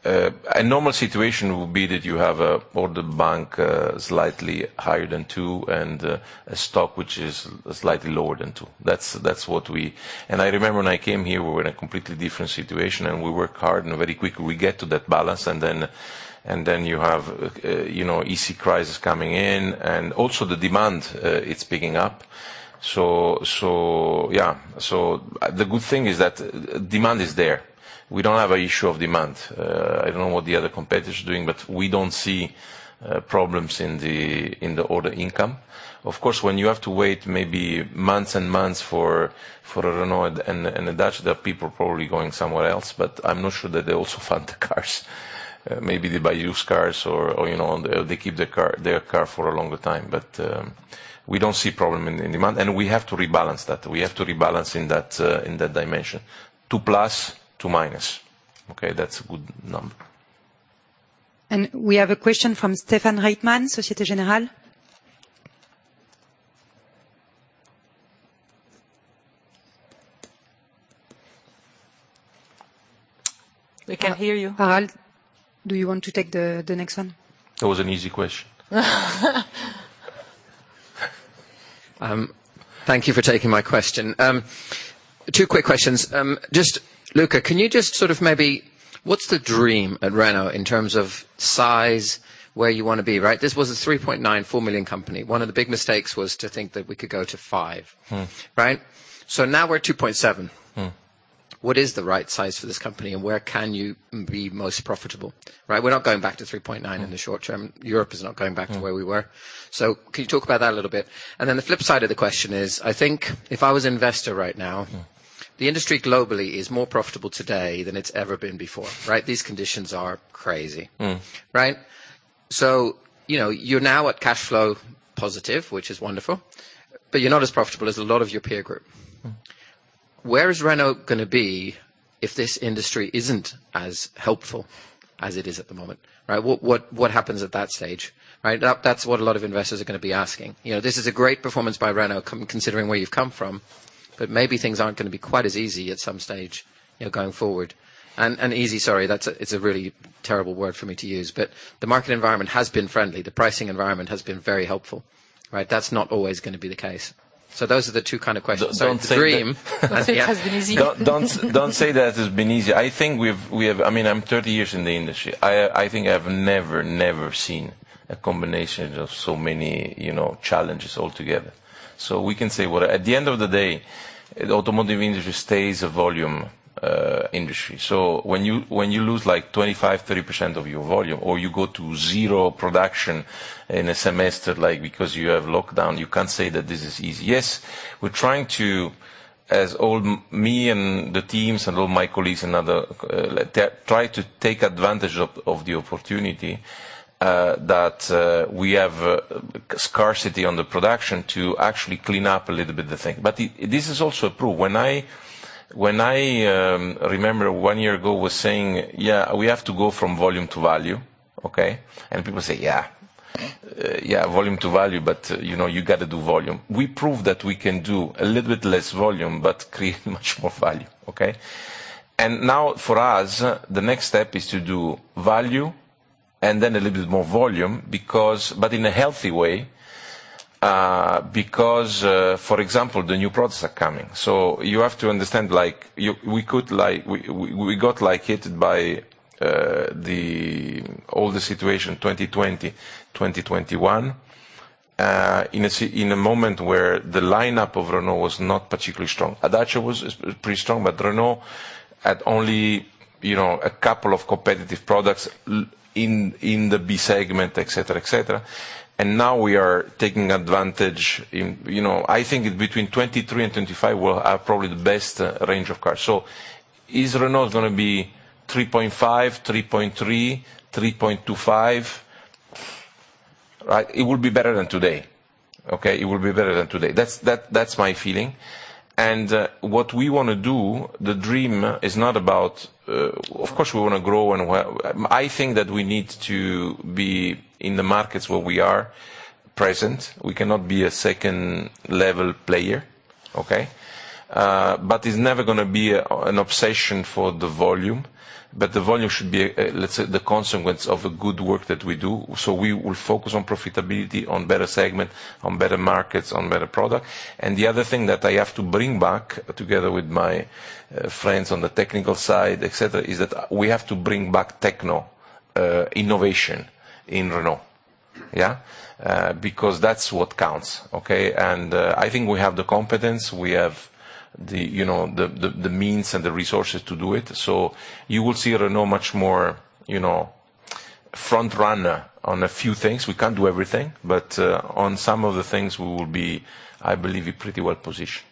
A normal situation will be that you have a order bank, slightly higher than two and a stock which is slightly lower than two. That's what we... I remember when I came here, we were in a completely different situation, and we work hard, and very quickly we get to that balance, and then you have, you know, EC crisis coming in and also the demand, it's picking up. Yeah. The good thing is that demand is there. We don't have a issue of demand. I don't know what the other competitors are doing, but we don't see problems in the order intake. Of course, when you have to wait maybe months and months for a Renault and a Dacia, the people are probably going somewhere else, but I'm not sure that they also found the cars. Maybe they buy used cars or, you know, they keep their car for a longer time. We don't see problem in demand. We have to rebalance that. We have to rebalance in that dimension, 2+, 2-. Okay? That's a good number. We have a question from Stephen Reitman, Société Générale. We can't hear you. Do you want to take the next one? That was an easy question. Thank you for taking my question. Two quick questions. Just Luca, can you just sort of maybe what's the dream at Renault in terms of size, where you wanna be, right? This was a 3.9-4 million company. One of the big mistakes was to think that we could go to five. Mm. Right? Now we're at 2.7. Mm. What is the right size for this company, and where can you be most profitable? Right. We're not going back to 3.9% in the short term. Europe is not going back to where we were. Can you talk about that a little bit? Then the flip side of the question is, I think if I was investor right now. Mm. The industry globally is more profitable today than it's ever been before, right? These conditions are crazy. Mm. Right? You know, you're now at cash flow positive, which is wonderful, but you're not as profitable as a lot of your peer group. Mm. Where is Renault gonna be if this industry isn't as helpful as it is at the moment? Right. What happens at that stage? Right? That's what a lot of investors are gonna be asking. You know, this is a great performance by Renault considering where you've come from, but maybe things aren't gonna be quite as easy at some stage, you know, going forward. And easy, sorry, that's a, it's a really terrible word for me to use, but the market environment has been friendly. The pricing environment has been very helpful, right? That's not always gonna be the case. Those are the two kind of questions. Don't say that. So the dream- Don't say it has been easy. Don't say that it's been easy. I think I mean, I'm 30 years in the industry. I think I've never seen a combination of so many, you know, challenges altogether. We can say what. At the end of the day, the automotive industry stays a volume industry. When you lose, like, 25-30% of your volume, or you go to 0 production in a semester, like, because you have lockdown, you can't say that this is easy. Yes, we're trying to me and the teams and all my colleagues and others try to take advantage of the opportunity that we have, scarcity on the production to actually clean up a little bit the thing. But this is also proof. When I remember one year ago was saying, "Yeah, we have to go from volume to value." Okay? People say, "Yeah. Yeah, volume to value, but, you know, you gotta do volume." We proved that we can do a little bit less volume, but create much more value. Okay? Now for us, the next step is to do value and then a little bit more volume because but in a healthy way, because, for example, the new products are coming. You have to understand, we got hit by all the situation 2020, 2021, in a moment where the lineup of Renault was not particularly strong. Dacia was pretty strong, but Renault had only a couple of competitive products in the B-segment, et cetera. Now we are taking advantage in. You know, I think between 2023 and 2025, we'll have probably the best range of cars. Is Renault gonna be 3.5, 3.3.25? Right? It will be better than today. Okay? It will be better than today. That's my feeling. What we wanna do, the dream is not about. Of course, we wanna grow and I think that we need to be in the markets where we are present. We cannot be a second-level player. Okay? But it's never gonna be an obsession for the volume. The volume should be, let's say, the consequence of a good work that we do. We will focus on profitability, on better segment, on better markets, on better product. The other thing that I have to bring back, together with my friends on the technical side, et cetera, is that we have to bring back technological innovation in Renault. Yeah? Because that's what counts, okay? I think we have the competence, we have the, you know, the means and the resources to do it. So you will see Renault much more, you know, front runner on a few things. We can't do everything, but on some of the things, we will be, I believe, pretty well-positioned.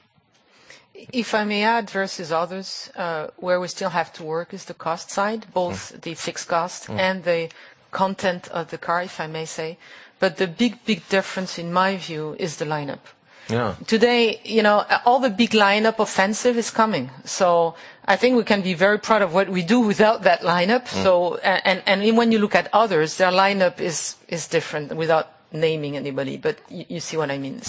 If I may add versus others, where we still have to work is the cost side. Mm. Both the fixed cost Mm. The content of the car, if I may say. The big, big difference, in my view, is the lineup. Yeah. Today, you know, all the big lineup offensive is coming. I think we can be very proud of what we do without that lineup. Mm. When you look at others, their lineup is different. Without naming anybody, but you see what I mean.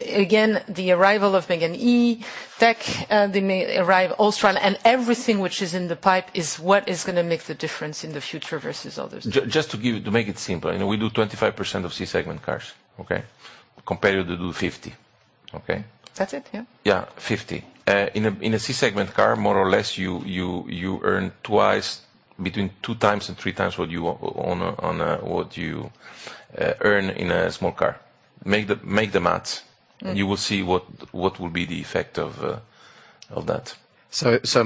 Again, the arrival of Mégane E-Tech and the arrival of Austral and everything which is in the pipeline is what is gonna make the difference in the future versus others. To make it simpler, you know, we do 25% of C-segment cars, okay? Competitor do 50. Okay? That's it, yeah. Yeah, 50. In a C-segment car, more or less, you earn twice, between 2x and 3x what you earn in a small car. Make the math. Mm. You will see what will be the effect of that.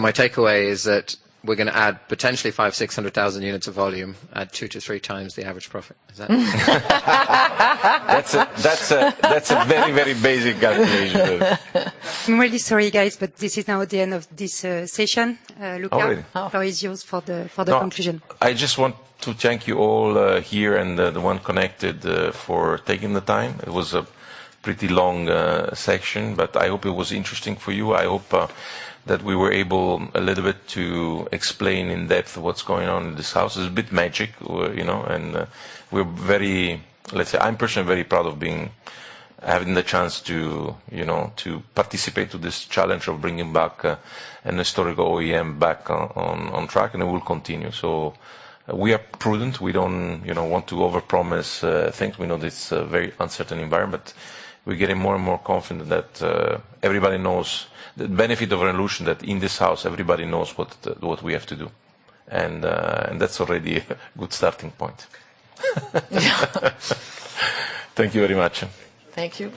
My takeaway is that we're gonna add potentially 500,000-600,000 units of volume at 2-3x the average profit. Is that? That's a very basic calculation. I'm really sorry, guys, but this is now the end of this session. Luca Oh, really? The floor is yours for the conclusion. No, I just want to thank you all here and the one connected for taking the time. It was a pretty long session, but I hope it was interesting for you. I hope that we were able a little bit to explain in depth what's going on in this house. It's a bit magic, you know, and we're very. Let's say, I'm personally very proud of being, having the chance to, you know, to participate to this challenge of bringing back an historical OEM back on track, and it will continue. We are prudent. We don't, you know, want to overpromise things. We know this is a very uncertain environment. We're getting more and more confident that everybody knows the benefit of Renaulution, that in this house, everybody knows what we have to do. That's already a good starting point. Yeah. Thank you very much. Thank you.